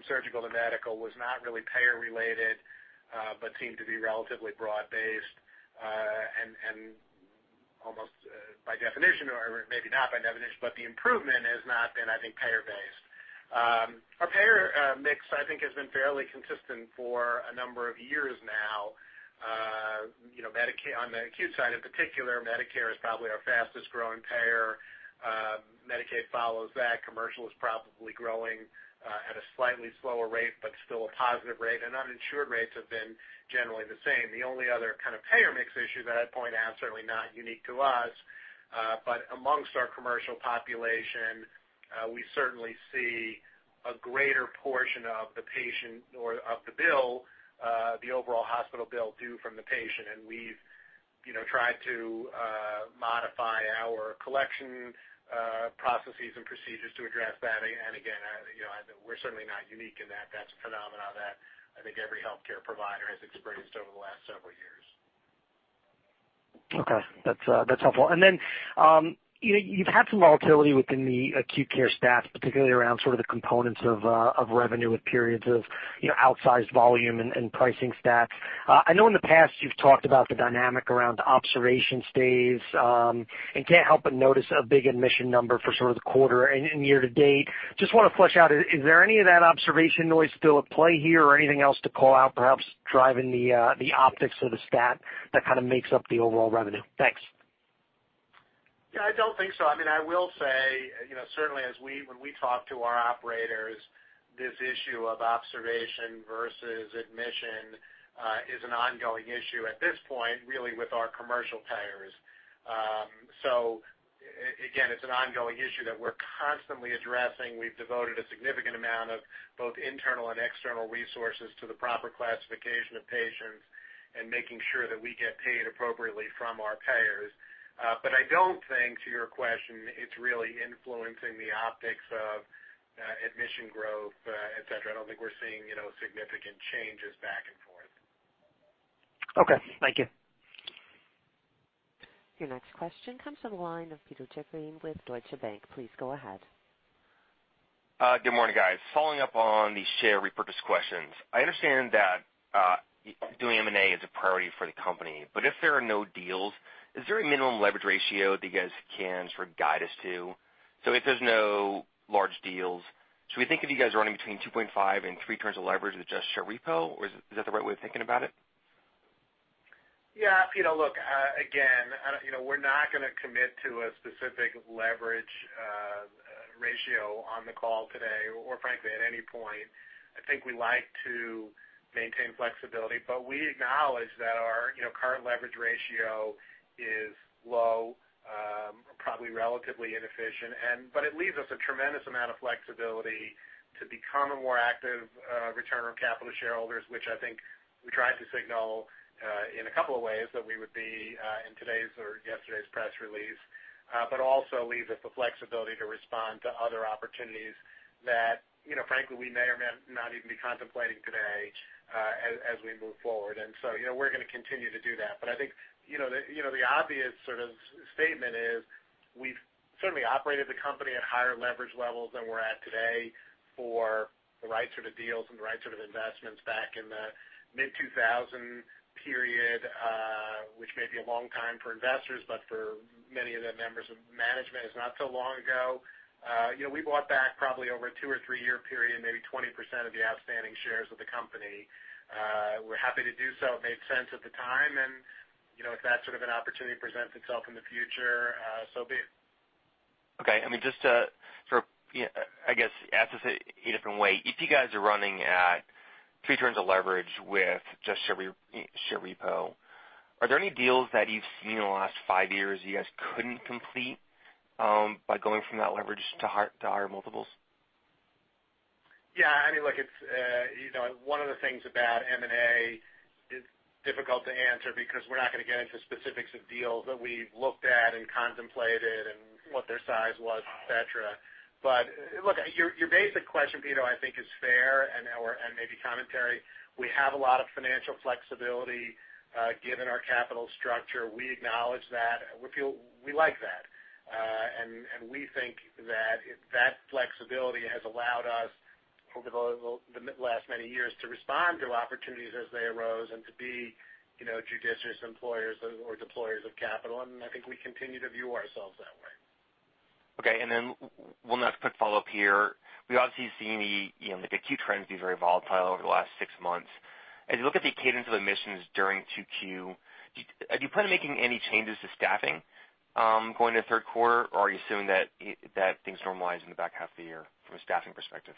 surgical to medical was not really payer related, but seemed to be relatively broad-based. Almost by definition or maybe not by definition, but the improvement has not been, I think, payer-based. Our payer mix, I think, has been fairly consistent for a number of years now. On the acute side in particular, Medicare is probably our fastest-growing payer. Medicaid follows that. Commercial is probably growing at a slightly slower rate, but still a positive rate. Uninsured rates have been generally the same. The only other kind of payer mix issue that I'd point out, certainly not unique to us, but amongst our commercial population, we certainly see a greater portion of the bill, the overall hospital bill, due from the patient, and we've tried to modify our collection processes and procedures to address that. Again, we're certainly not unique in that. That's a phenomenon that I think every healthcare provider has experienced over the last several years. Okay. That's helpful. You've had some volatility within the acute care stats, particularly around sort of the components of revenue with periods of outsized volume and pricing stats. I know in the past you've talked about the dynamic around observation stays, can't help but notice a big admission number for sort of the quarter and year to date. Just want to flesh out, is there any of that observation noise still at play here or anything else to call out, perhaps driving the optics of the stat that kind of makes up the overall revenue? Thanks. Yeah, I don't think so. I will say, certainly when we talk to our operators, this issue of observation versus admission, is an ongoing issue at this point, really with our commercial payers. Again, it's an ongoing issue that we're constantly addressing. We've devoted a significant amount of both internal and external resources to the proper classification of patients and making sure that we get paid appropriately from our payers. I don't think, to your question, it's really influencing the optics of admission growth, et cetera. I don't think we're seeing significant changes back and forth. Okay. Thank you. Your next question comes from the line of Pito Chickering with Deutsche Bank. Please go ahead. Good morning, guys. Following up on the share repurchase questions. I understand that doing M&A is a priority for the company, but if there are no deals, is there a minimum leverage ratio that you guys can sort of guide us to? If there's no large deals, should we think of you guys running between 2.5 and three turns of leverage with just share repo? Is that the right way of thinking about it? Pito, look, again, we're not going to commit to a specific leverage ratio on the call today or frankly, at any point. I think we like to maintain flexibility. We acknowledge that our current leverage ratio is low, probably relatively inefficient. It leaves us a tremendous amount of flexibility to become a more active returner of capital to shareholders, which I think we tried to signal, in a couple of ways, that we would be, in today's or yesterday's press release. Also leaves us the flexibility to respond to other opportunities that, frankly, we may or may not even be contemplating today, as we move forward. We're going to continue to do that. I think the obvious sort of statement is we've certainly operated the company at higher leverage levels than we're at today for the right sort of deals and the right sort of investments back in the mid-2000 period, which may be a long time for investors, but for many of the members of management, it's not so long ago. We bought back probably over a two or three-year period, maybe 20% of the outstanding shares of the company. We're happy to do so. It made sense at the time, and if that sort of an opportunity presents itself in the future, so be it. Just to sort of, I guess, ask this a different way. If you guys are running at three turns of leverage with just share repo, are there any deals that you've seen in the last five years you guys couldn't complete, by going from that leverage to higher multiples? Yeah. One of the things about M&A, it's difficult to answer because we're not going to get into specifics of deals that we've looked at and contemplated and what their size was, et cetera. Look, your basic question, Pito, I think is fair and maybe commentary. We have a lot of financial flexibility, given our capital structure. We acknowledge that. We like that. We think that that flexibility has allowed us over the last many years to respond to opportunities as they arose and to be judicious employers or deployers of capital, and I think we continue to view ourselves that way. Okay. One last quick follow-up here. We obviously have seen the acute trends be very volatile over the last six months. As you look at the cadence of admissions during 2Q, do you plan on making any changes to staffing, going into third quarter, or are you assuming that things normalize in the back half of the year from a staffing perspective?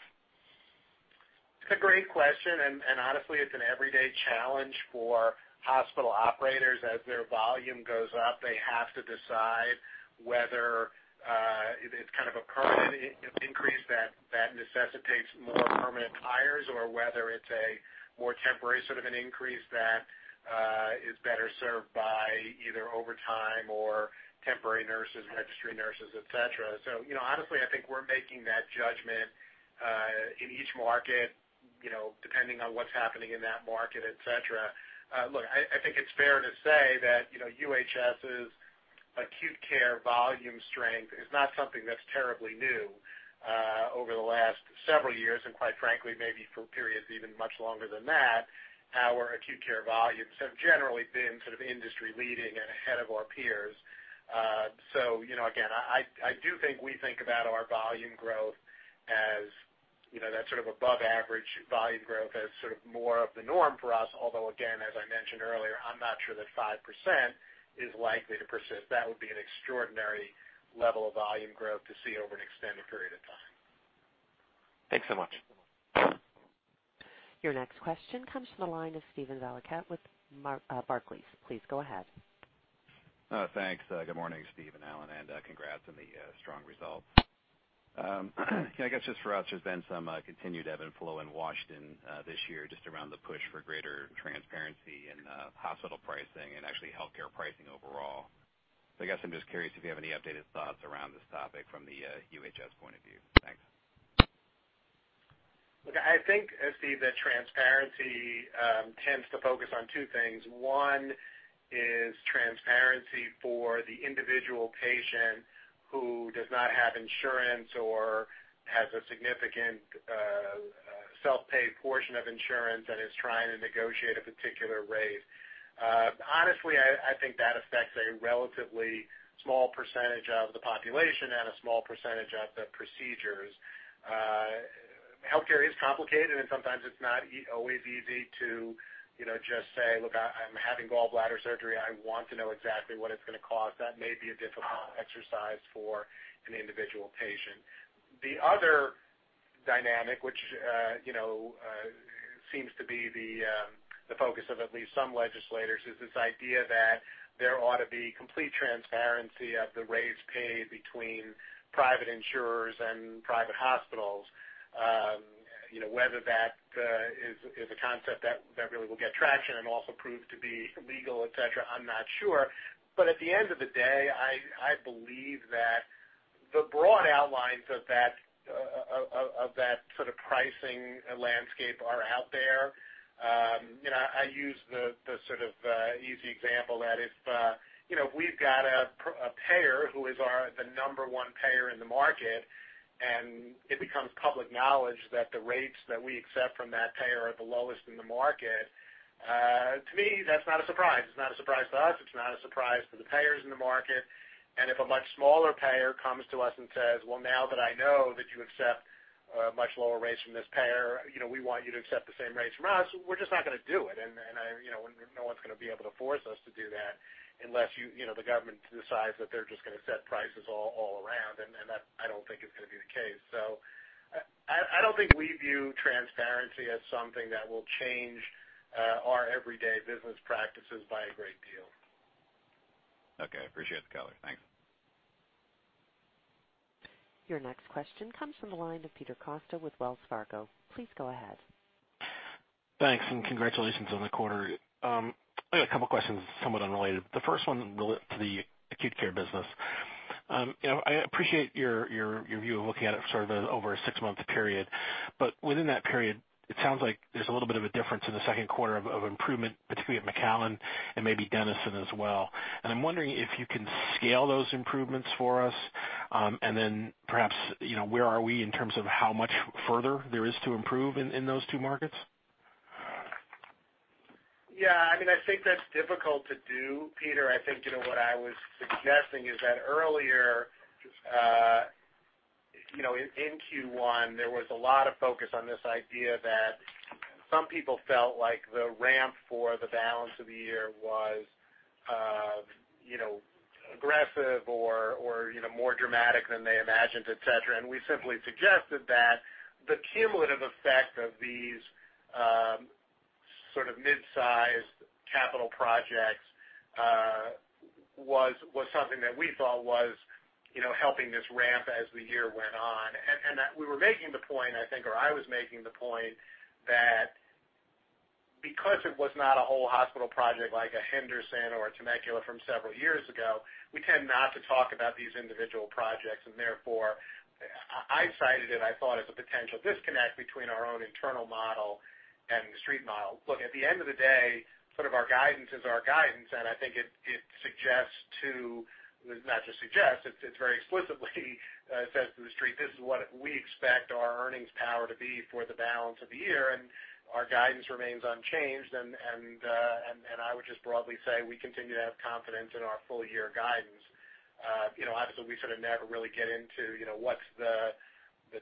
It's a great question. Honestly, it's an everyday challenge for hospital operators. As their volume goes up, they have to decide whether it's kind of a permanent increase that necessitates more permanent hires or whether it's a more temporary sort of an increase that is better served by either overtime or temporary nurses, registry nurses, et cetera. Honestly, I think we're making that judgment, in each market, depending on what's happening in that market, et cetera. Look, I think it's fair to say that UHS's acute care volume strength is not something that's terribly new over the last several years. Quite frankly, maybe for periods even much longer than that, our acute care volumes have generally been sort of industry leading and ahead of our peers. Again, I do think we think about our volume growth as that sort of above-average volume growth as sort of more of the norm for us. Although, again, as I mentioned earlier, I'm not sure that 5% is likely to persist. That would be an extraordinary level of volume growth to see over an extended period of time. Thanks so much. Your next question comes from the line of Steven Valiquette with Barclays. Please go ahead. Thanks. Good morning, Steve and Alan, and congrats on the strong results. I guess just for us, there's been some continued ebb and flow in Washington this year, just around the push for greater transparency in hospital pricing and actually healthcare pricing overall. I guess I'm just curious if you have any updated thoughts around this topic from the UHS point of view. Thanks. Look, I think, Steve, that transparency tends to focus on two things. One is transparency for the individual patient who does not have insurance or has a significant self-pay portion of insurance and is trying to negotiate a particular rate. Honestly, I think that affects a relatively small percentage of the population and a small percentage of the procedures. Sometimes it's not always easy to just say, "Look, I'm having gallbladder surgery. I want to know exactly what it's going to cost." That may be a difficult exercise for an individual patient. The other dynamic, which seems to be the focus of at least some legislators, is this idea that there ought to be complete transparency of the rates paid between private insurers and private hospitals. Whether that is a concept that really will get traction and also prove to be legal, et cetera, I'm not sure. At the end of the day, I believe that the broad outlines of that sort of pricing landscape are out there. I use the sort of easy example that if we've got a payer who is the number one payer in the market, and it becomes public knowledge that the rates that we accept from that payer are the lowest in the market, to me, that's not a surprise. It's not a surprise to us. It's not a surprise to the payers in the market. If a much smaller payer comes to us and says, "Well, now that I know that you accept much lower rates from this payer, we want you to accept the same rates from us," we're just not going to do it. No one's going to be able to force us to do that, unless the government decides that they're just going to set prices all around, and that I don't think is going to be the case. I don't think we view transparency as something that will change our everyday business practices by a great deal. Okay. I appreciate the color. Thanks. Your next question comes from the line of Peter Costa with Wells Fargo. Please go ahead. Thanks. Congratulations on the quarter. I got a couple questions, somewhat unrelated. The first one related to the acute care business. I appreciate your view of looking at it sort of over a six-month period. Within that period, it sounds like there's a little bit of a difference in the second quarter of improvement, particularly at McAllen and maybe Denton as well. I'm wondering if you can scale those improvements for us, and then perhaps, where are we in terms of how much further there is to improve in those two markets? Yeah, I think that's difficult to do, Peter. I think what I was suggesting is that earlier, in Q1, there was a lot of focus on this idea that some people felt like the ramp for the balance of the year was aggressive or more dramatic than they imagined, et cetera. We simply suggested that the cumulative effect of these sort of mid-sized capital projects was something that we thought was helping this ramp as the year went on. That we were making the point, I think, or I was making the point, that because it was not a whole hospital project like a Henderson or a Temecula from several years ago, we tend not to talk about these individual projects, and therefore, I cited it, I thought, as a potential disconnect between our own internal model and the street model. Look, at the end of the day, sort of our guidance is our guidance, and I think it suggests to, not just suggests, it very explicitly says to the street, "This is what we expect our earnings power to be for the balance of the year," and our guidance remains unchanged. I would just broadly say, we continue to have confidence in our full-year guidance. Obviously, we sort of never really get into what's the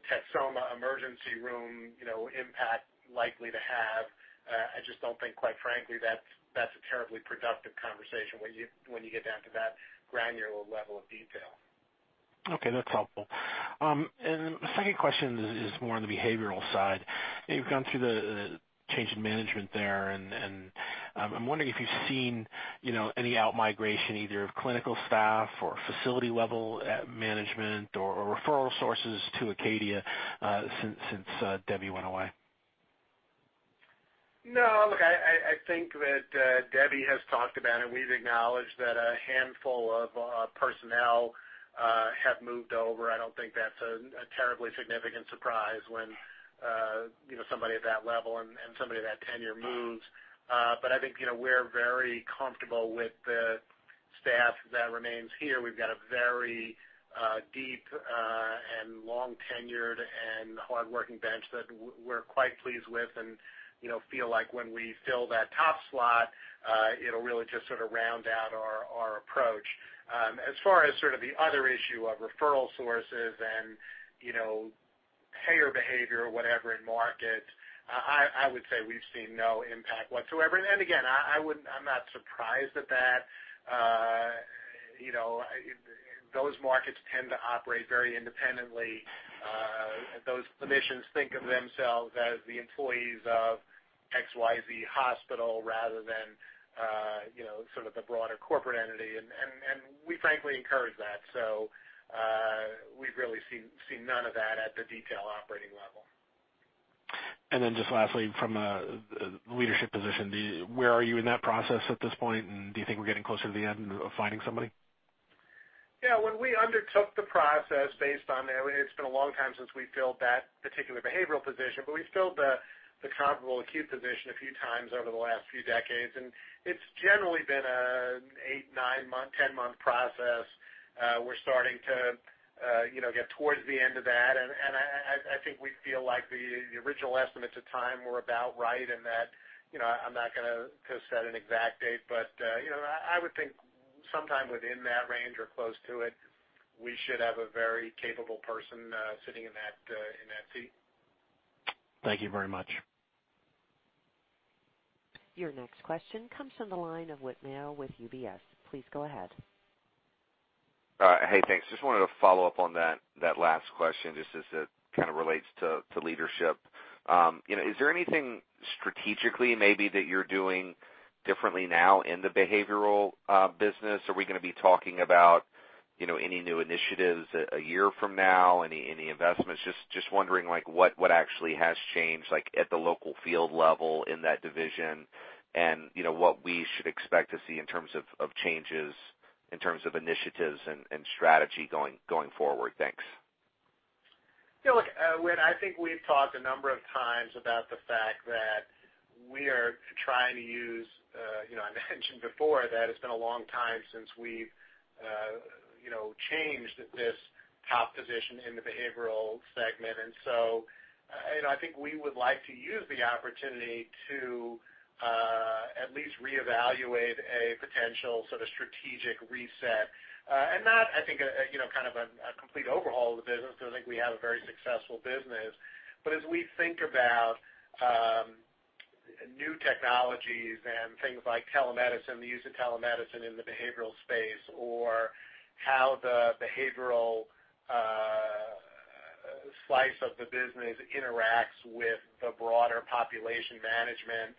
Texoma Emergency Room impact likely to have. I just don't think, quite frankly, that's a terribly productive conversation when you get down to that granular level of detail. Okay, that's helpful. The second question is more on the behavioral side. You've gone through the change in management there, and I'm wondering if you've seen any out-migration, either of clinical staff or facility level management or referral sources to Acadia since Debbie went away. No. Look, I think that Debbie has talked about, we've acknowledged that a handful of personnel have moved over. I don't think that's a terribly significant surprise when somebody at that level and somebody of that tenure moves. I think we're very comfortable with the staff that remains here. We've got a very deep and long tenured and hardworking bench that we're quite pleased with, feel like when we fill that top slot, it'll really just sort of round out our approach. As far as sort of the other issue of referral sources and payer behavior or whatever in market, I would say we've seen no impact whatsoever. Again, I'm not surprised at that. Those markets tend to operate very independently. Those clinicians think of themselves as the employees of XYZ hospital rather than sort of the broader corporate entity, we frankly encourage that. We've really seen none of that at the detail operating level. Just lastly, from a leadership position, where are you in that process at this point, and do you think we're getting closer to the end of finding somebody? Yeah. When we undertook the process based on that, it's been a long time since we filled that particular behavioral position, but we filled the comparable acute position a few times over the last few decades, and it's generally been an eight, nine month, 10-month process. We're starting to get towards the end of that, and I think we feel like the original estimates of time were about right and that I'm not going to set an exact date, but I would think sometime within that range or close to it, we should have a very capable person sitting in that seat. Thank you very much. Your next question comes from the line of Whit Mayo with UBS. Please go ahead. Hey, thanks. Just wanted to follow up on that last question, just as it kind of relates to leadership. Is there anything strategically maybe that you're doing differently now in the behavioral business? Are we going to be talking about any new initiatives a year from now? Any investments? Just wondering what actually has changed at the local field level in that division, and what we should expect to see in terms of changes in terms of initiatives and strategy going forward. Thanks. Look, Whit, I think we've talked a number of times about the fact that we are trying to use, I mentioned before that it's been a long time since we've changed this top position in the behavioral segment. I think we would like to use the opportunity to at least reevaluate a potential sort of strategic reset. Not I think a kind of a complete overhaul of the business, because I think we have a very successful business. As we think about new technologies and things like telemedicine, the use of telemedicine in the behavioral space, or how the behavioral slice of the business interacts with the broader population management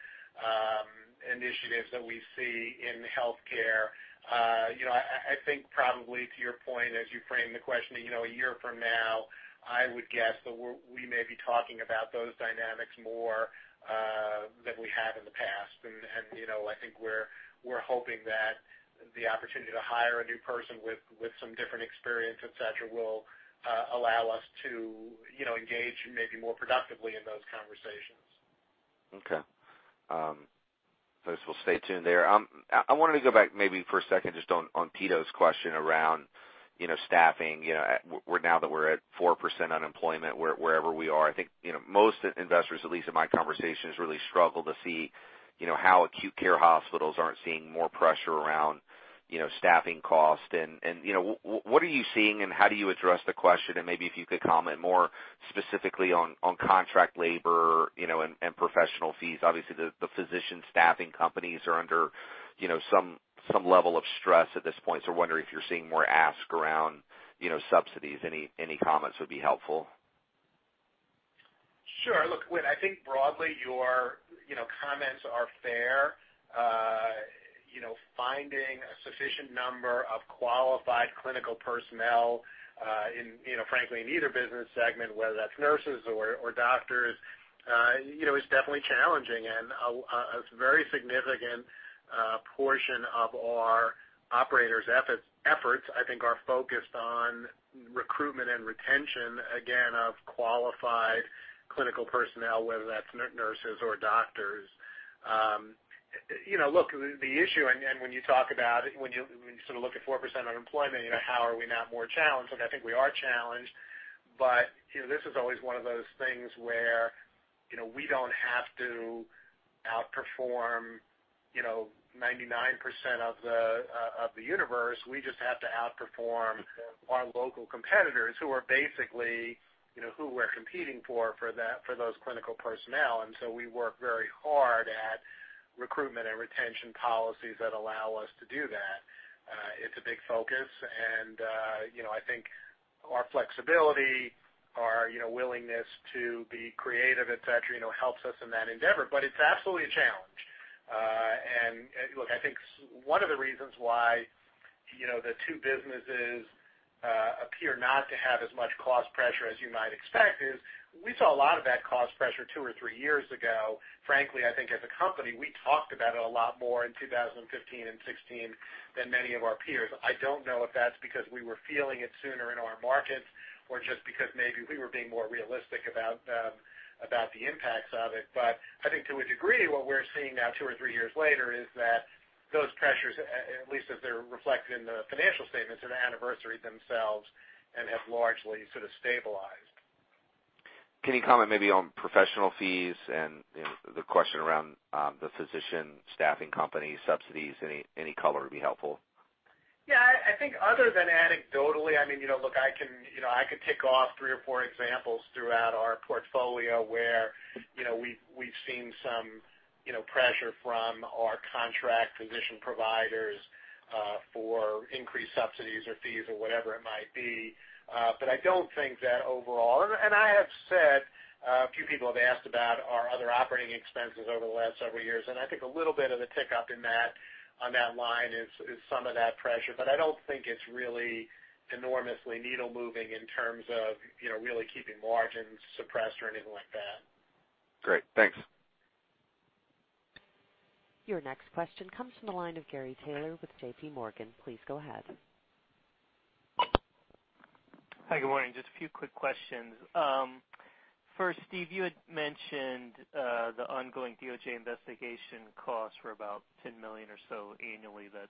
initiatives that we see in healthcare. I think probably to your point, as you frame the question, a year from now, I would guess that we may be talking about those dynamics more than we have in the past. I think we're hoping that the opportunity to hire a new person with some different experience, et cetera, will allow us to engage maybe more productively in those conversations. Okay. I guess we'll stay tuned there. I wanted to go back maybe for a second just on Pito's question around staffing. Now that we're at 4% unemployment, wherever we are, I think most investors, at least in my conversations, really struggle to see how acute care hospitals aren't seeing more pressure around staffing cost and what are you seeing and how do you address the question? Maybe if you could comment more specifically on contract labor and professional fees. Obviously, the physician staffing companies are under some level of stress at this point, so wondering if you're seeing more ask around subsidies. Any comments would be helpful. Sure. Look, Whit, I think broadly your comments are fair. Finding a sufficient number of qualified clinical personnel frankly, in either business segment, whether that's nurses or doctors, is definitely challenging, and a very significant portion of our operators' efforts, I think, are focused on recruitment and retention, again, of qualified clinical personnel, whether that's nurses or doctors. Look, the issue, and when you sort of look at 4% unemployment, how are we not more challenged? Look, I think we are challenged, but this is always one of those things where we don't have to outperform 99% of the universe. We just have to outperform our local competitors who are basically who we're competing for those clinical personnel, and so we work very hard at recruitment and retention policies that allow us to do that. It's a big focus, and I think our flexibility, our willingness to be creative, et cetera, helps us in that endeavor, but it's absolutely a challenge. Look, I think one of the reasons why the two businesses appear not to have as much cost pressure as you might expect is we saw a lot of that cost pressure two or three years ago. Frankly, I think as a company, we talked about it a lot more in 2015 and 2016 than many of our peers. I don't know if that's because we were feeling it sooner in our markets or just because maybe we were being more realistic about the impacts of it. I think to a degree, what we're seeing now two or three years later is that those pressures, at least as they're reflected in the financial statements, have anniversaried themselves and have largely sort of stabilized. Can you comment maybe on professional fees and the question around the physician staffing company subsidies? Any color would be helpful. Yeah, I think other than anecdotally, I could tick off three or four examples throughout our portfolio where we've seen some pressure from our contract physician providers for increased subsidies or fees or whatever it might be. I don't think that overall, and I have said, a few people have asked about our other operating expenses over the last several years, and I think a little bit of the tick up on that line is some of that pressure. I don't think it's really enormously needle moving in terms of really keeping margins suppressed or anything like that. Great, thanks. Your next question comes from the line of Gary Taylor with JPMorgan. Please go ahead. Hi, good morning. Just a few quick questions. First, Steve, you had mentioned, the ongoing DOJ investigation costs were about $10 million or so annually that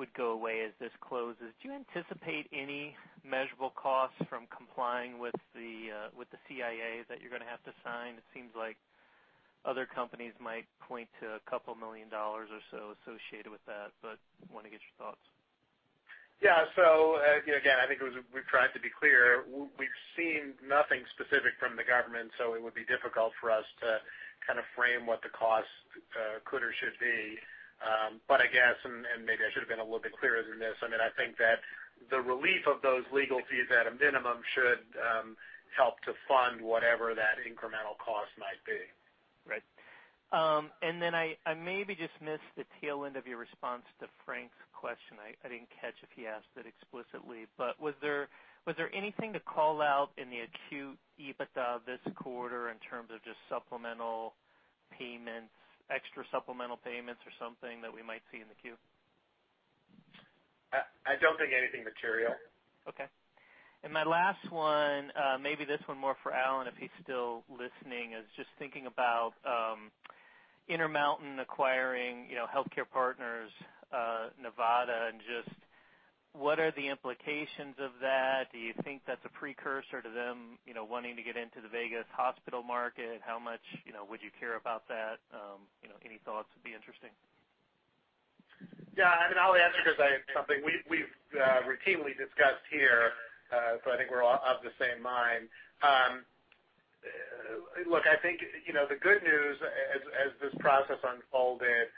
would go away as this closes. Do you anticipate any measurable costs from complying with the CIA that you're going to have to sign? It seems like other companies might point to a couple million dollars or so associated with that, but want to get your thoughts. Again, I think we've tried to be clear. We've seen nothing specific from the government, so it would be difficult for us to frame what the cost could or should be. I guess, and maybe I should have been a little bit clearer than this, I think that the relief of those legal fees at a minimum should help to fund whatever that incremental cost might be. Right. I maybe just missed the tail end of your response to Frank's question. I didn't catch if he asked it explicitly, was there anything to call out in the acute EBITDA this quarter in terms of just supplemental payments, extra supplemental payments, or something that we might see in the Q? I don't think anything material. Okay. My last one, maybe this one more for Alan, if he's still listening, is just thinking about Intermountain acquiring Healthcare Partners Nevada, and just what are the implications of that? Do you think that's a precursor to them wanting to get into the Vegas hospital market? How much would you care about that? Any thoughts would be interesting. Yeah, I'll answer because it's something we've routinely discussed here, so I think we're of the same mind. Look, I think, the good news as this process unfolded,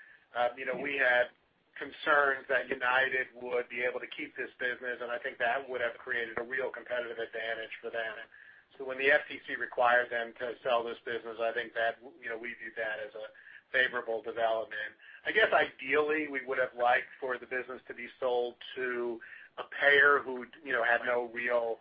we had concerns that United would be able to keep this business, and I think that would have created a real competitive advantage for them. When the FTC required them to sell this business, I think that we view that as a favorable development. I guess ideally we would have liked for the business to be sold to a payer who had no real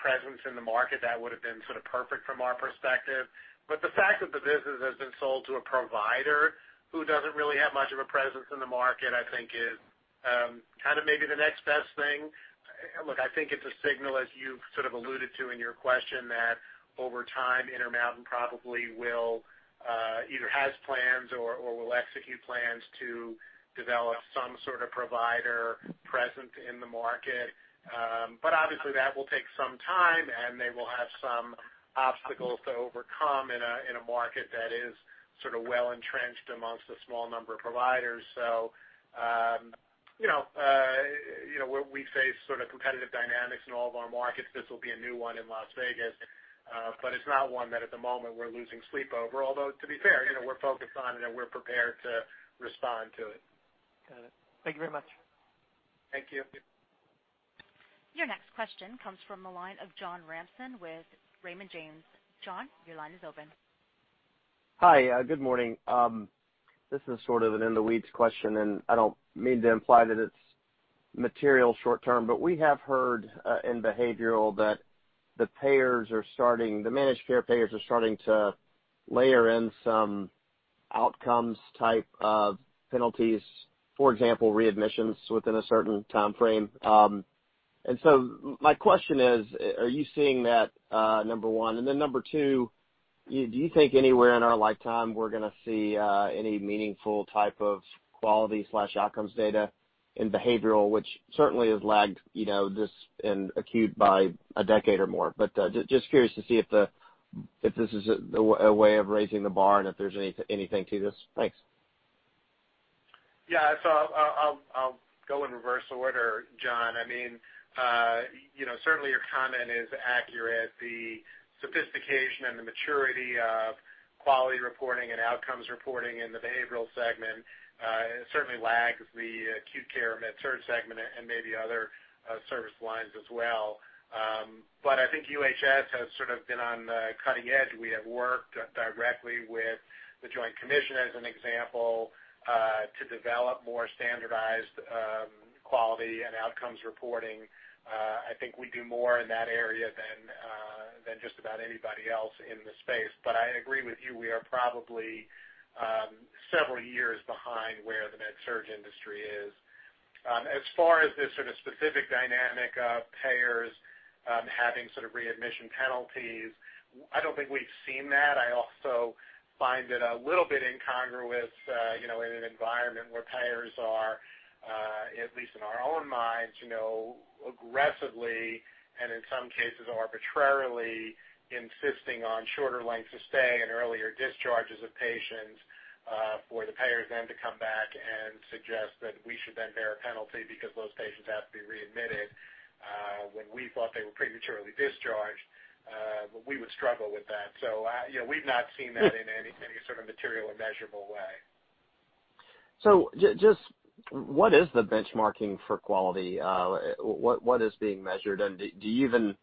presence in the market. That would have been sort of perfect from our perspective. The fact that the business has been sold to a provider who doesn't really have much of a presence in the market, I think is kind of maybe the next best thing. Look, I think it's a signal as you've sort of alluded to in your question that over time, Intermountain probably will either has plans or will execute plans to develop some sort of provider presence in the market. Obviously that will take some time, and they will have some obstacles to overcome in a market that is sort of well-entrenched amongst a small number of providers. We face sort of competitive dynamics in all of our markets. This will be a new one in Las Vegas. It's not one that at the moment we're losing sleep over. Although, to be fair, we're focused on and we're prepared to respond to it. Got it. Thank you very much. Thank you. Your next question comes from the line of John Ransom with Raymond James. John, your line is open. Hi, good morning. This is sort of an in-the-weeds question, and I don't mean to imply that it's material short term, but we have heard in behavioral that the managed care payers are starting to layer in some outcomes type of penalties, for example, readmissions within a certain timeframe. My question is, are you seeing that, number one? Number two, do you think anywhere in our lifetime we're going to see any meaningful type of quality/outcomes data in behavioral, which certainly has lagged this in acute by a decade or more. Just curious to see if this is a way of raising the bar and if there's anything to this. Thanks. I'll go in reverse order, John. Certainly your comment is accurate. The sophistication and the maturity of quality reporting and outcomes reporting in the behavioral segment certainly lags the acute care med surg segment and maybe other service lines as well. I think UHS has sort of been on the cutting edge. We have worked directly with the Joint Commission, as an example, to develop more standardized quality and outcomes reporting. I think we do more in that area than just about anybody else in the space. I agree with you. We are probably several years behind where the med surg industry is. As far as this sort of specific dynamic of payers having sort of readmission penalties. I don't think we've seen that. I also find it a little bit incongruous, in an environment where payers are, at least in our own minds, aggressively, and in some cases arbitrarily, insisting on shorter lengths of stay and earlier discharges of patients, for the payers then to come back and suggest that we should then bear a penalty because those patients have to be readmitted, when we thought they were prematurely discharged. We would struggle with that. We've not seen that in any sort of material or measurable way. Just what is the benchmarking for quality? What is being measured? Do you even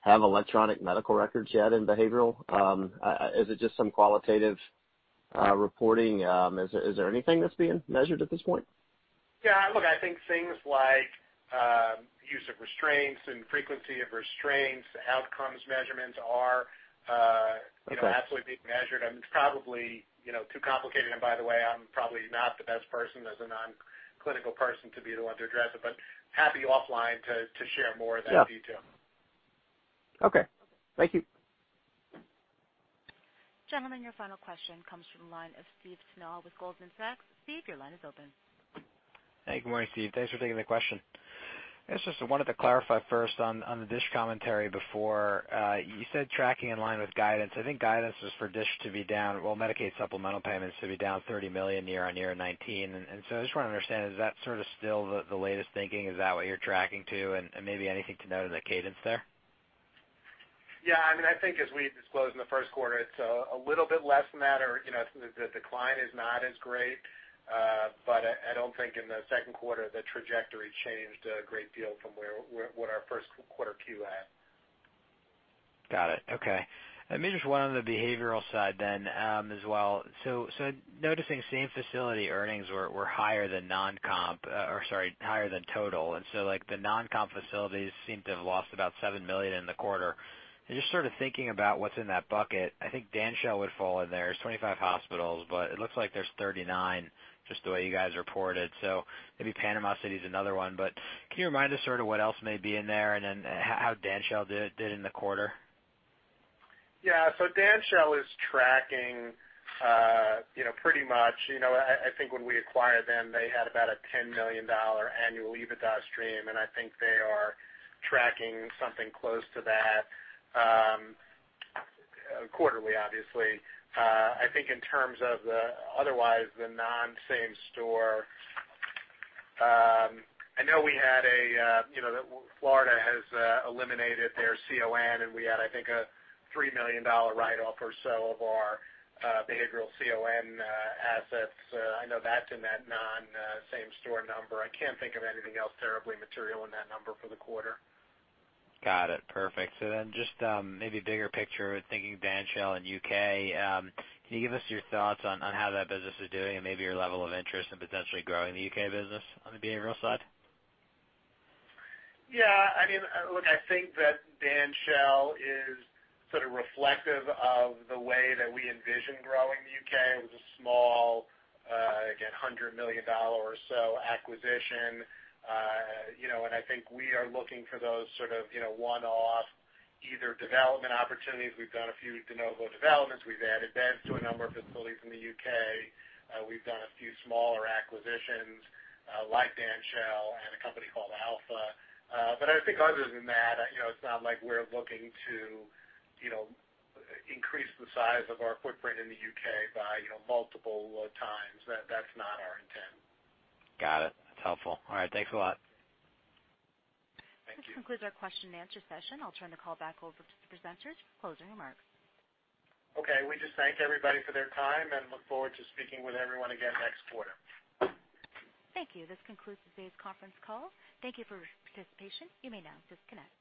have electronic medical records yet in behavioral? Is it just some qualitative reporting? Is there anything that's being measured at this point? Yeah, look, I think things like use of restraints and frequency of restraints, outcomes measurements are. Okay absolutely being measured, and it's probably too complicated, and by the way, I'm probably not the best person as a non-clinical person to be the one to address it, but happy offline to share more of that detail. Yeah. Okay. Thank you. Gentlemen, your final question comes from the line of Steve Snow with Goldman Sachs. Steve, your line is open. Hey, good morning Steve. Thanks for taking the question. I just wanted to clarify first on the DSH commentary before. You said tracking in line with guidance. I think guidance was for DSH to be down, well Medicaid supplemental payments to be down $30 million year-on-year in 2019. I just want to understand, is that sort of still the latest thinking? Is that what you're tracking to, and maybe anything to note on the cadence there? Yeah. I think as we disclosed in the first quarter, it's a little bit less than that or the decline is not as great. I don't think in the second quarter the trajectory changed a great deal from what our first quarter Q had. Got it. Okay. Maybe just one on the behavioral side then as well. Noticing same facility earnings were higher than non-comp, or sorry, higher than total. Like the non-comp facilities seem to have lost about $7 million in the quarter. Just sort of thinking about what's in that bucket, I think Danshell would fall in there. There's 25 hospitals, but it looks like there's 39, just the way you guys reported. Maybe Panama City is another one, but can you remind us sort of what else may be in there and then how Danshell did in the quarter? Yeah. Danshell is tracking pretty much, I think when we acquired them, they had about a $10 million annual EBITDA stream, and I think they are tracking something close to that, quarterly, obviously. I think in terms of the otherwise the non-same store, I know Florida has eliminated their CON and we had, I think, a $3 million write-off or so of our behavioral CON assets. I know that's in that non-same store number. I can't think of anything else terribly material in that number for the quarter. Got it. Perfect. Just maybe bigger picture thinking Danshell and U.K. Can you give us your thoughts on how that business is doing and maybe your level of interest in potentially growing the U.K. business on the behavioral side? Yeah. Look, I think that Danshell is sort of reflective of the way that we envision growing the U.K. It was a small, again, $100 million or so acquisition. I think we are looking for those sort of one-off, either development opportunities. We've done a few de novo developments. We've added beds to a number of facilities in the U.K. We've done a few smaller acquisitions, like Danshell and a company called Alpha. I think other than that, it's not like we're looking to increase the size of our footprint in the U.K. by multiple times. That's not our intent. Got it. That's helpful. All right. Thanks a lot. Thank you. This concludes our question and answer session. I'll turn the call back over to the presenters for closing remarks. Okay, we just thank everybody for their time and look forward to speaking with everyone again next quarter. Thank you. This concludes today's conference call. Thank you for your participation. You may now disconnect.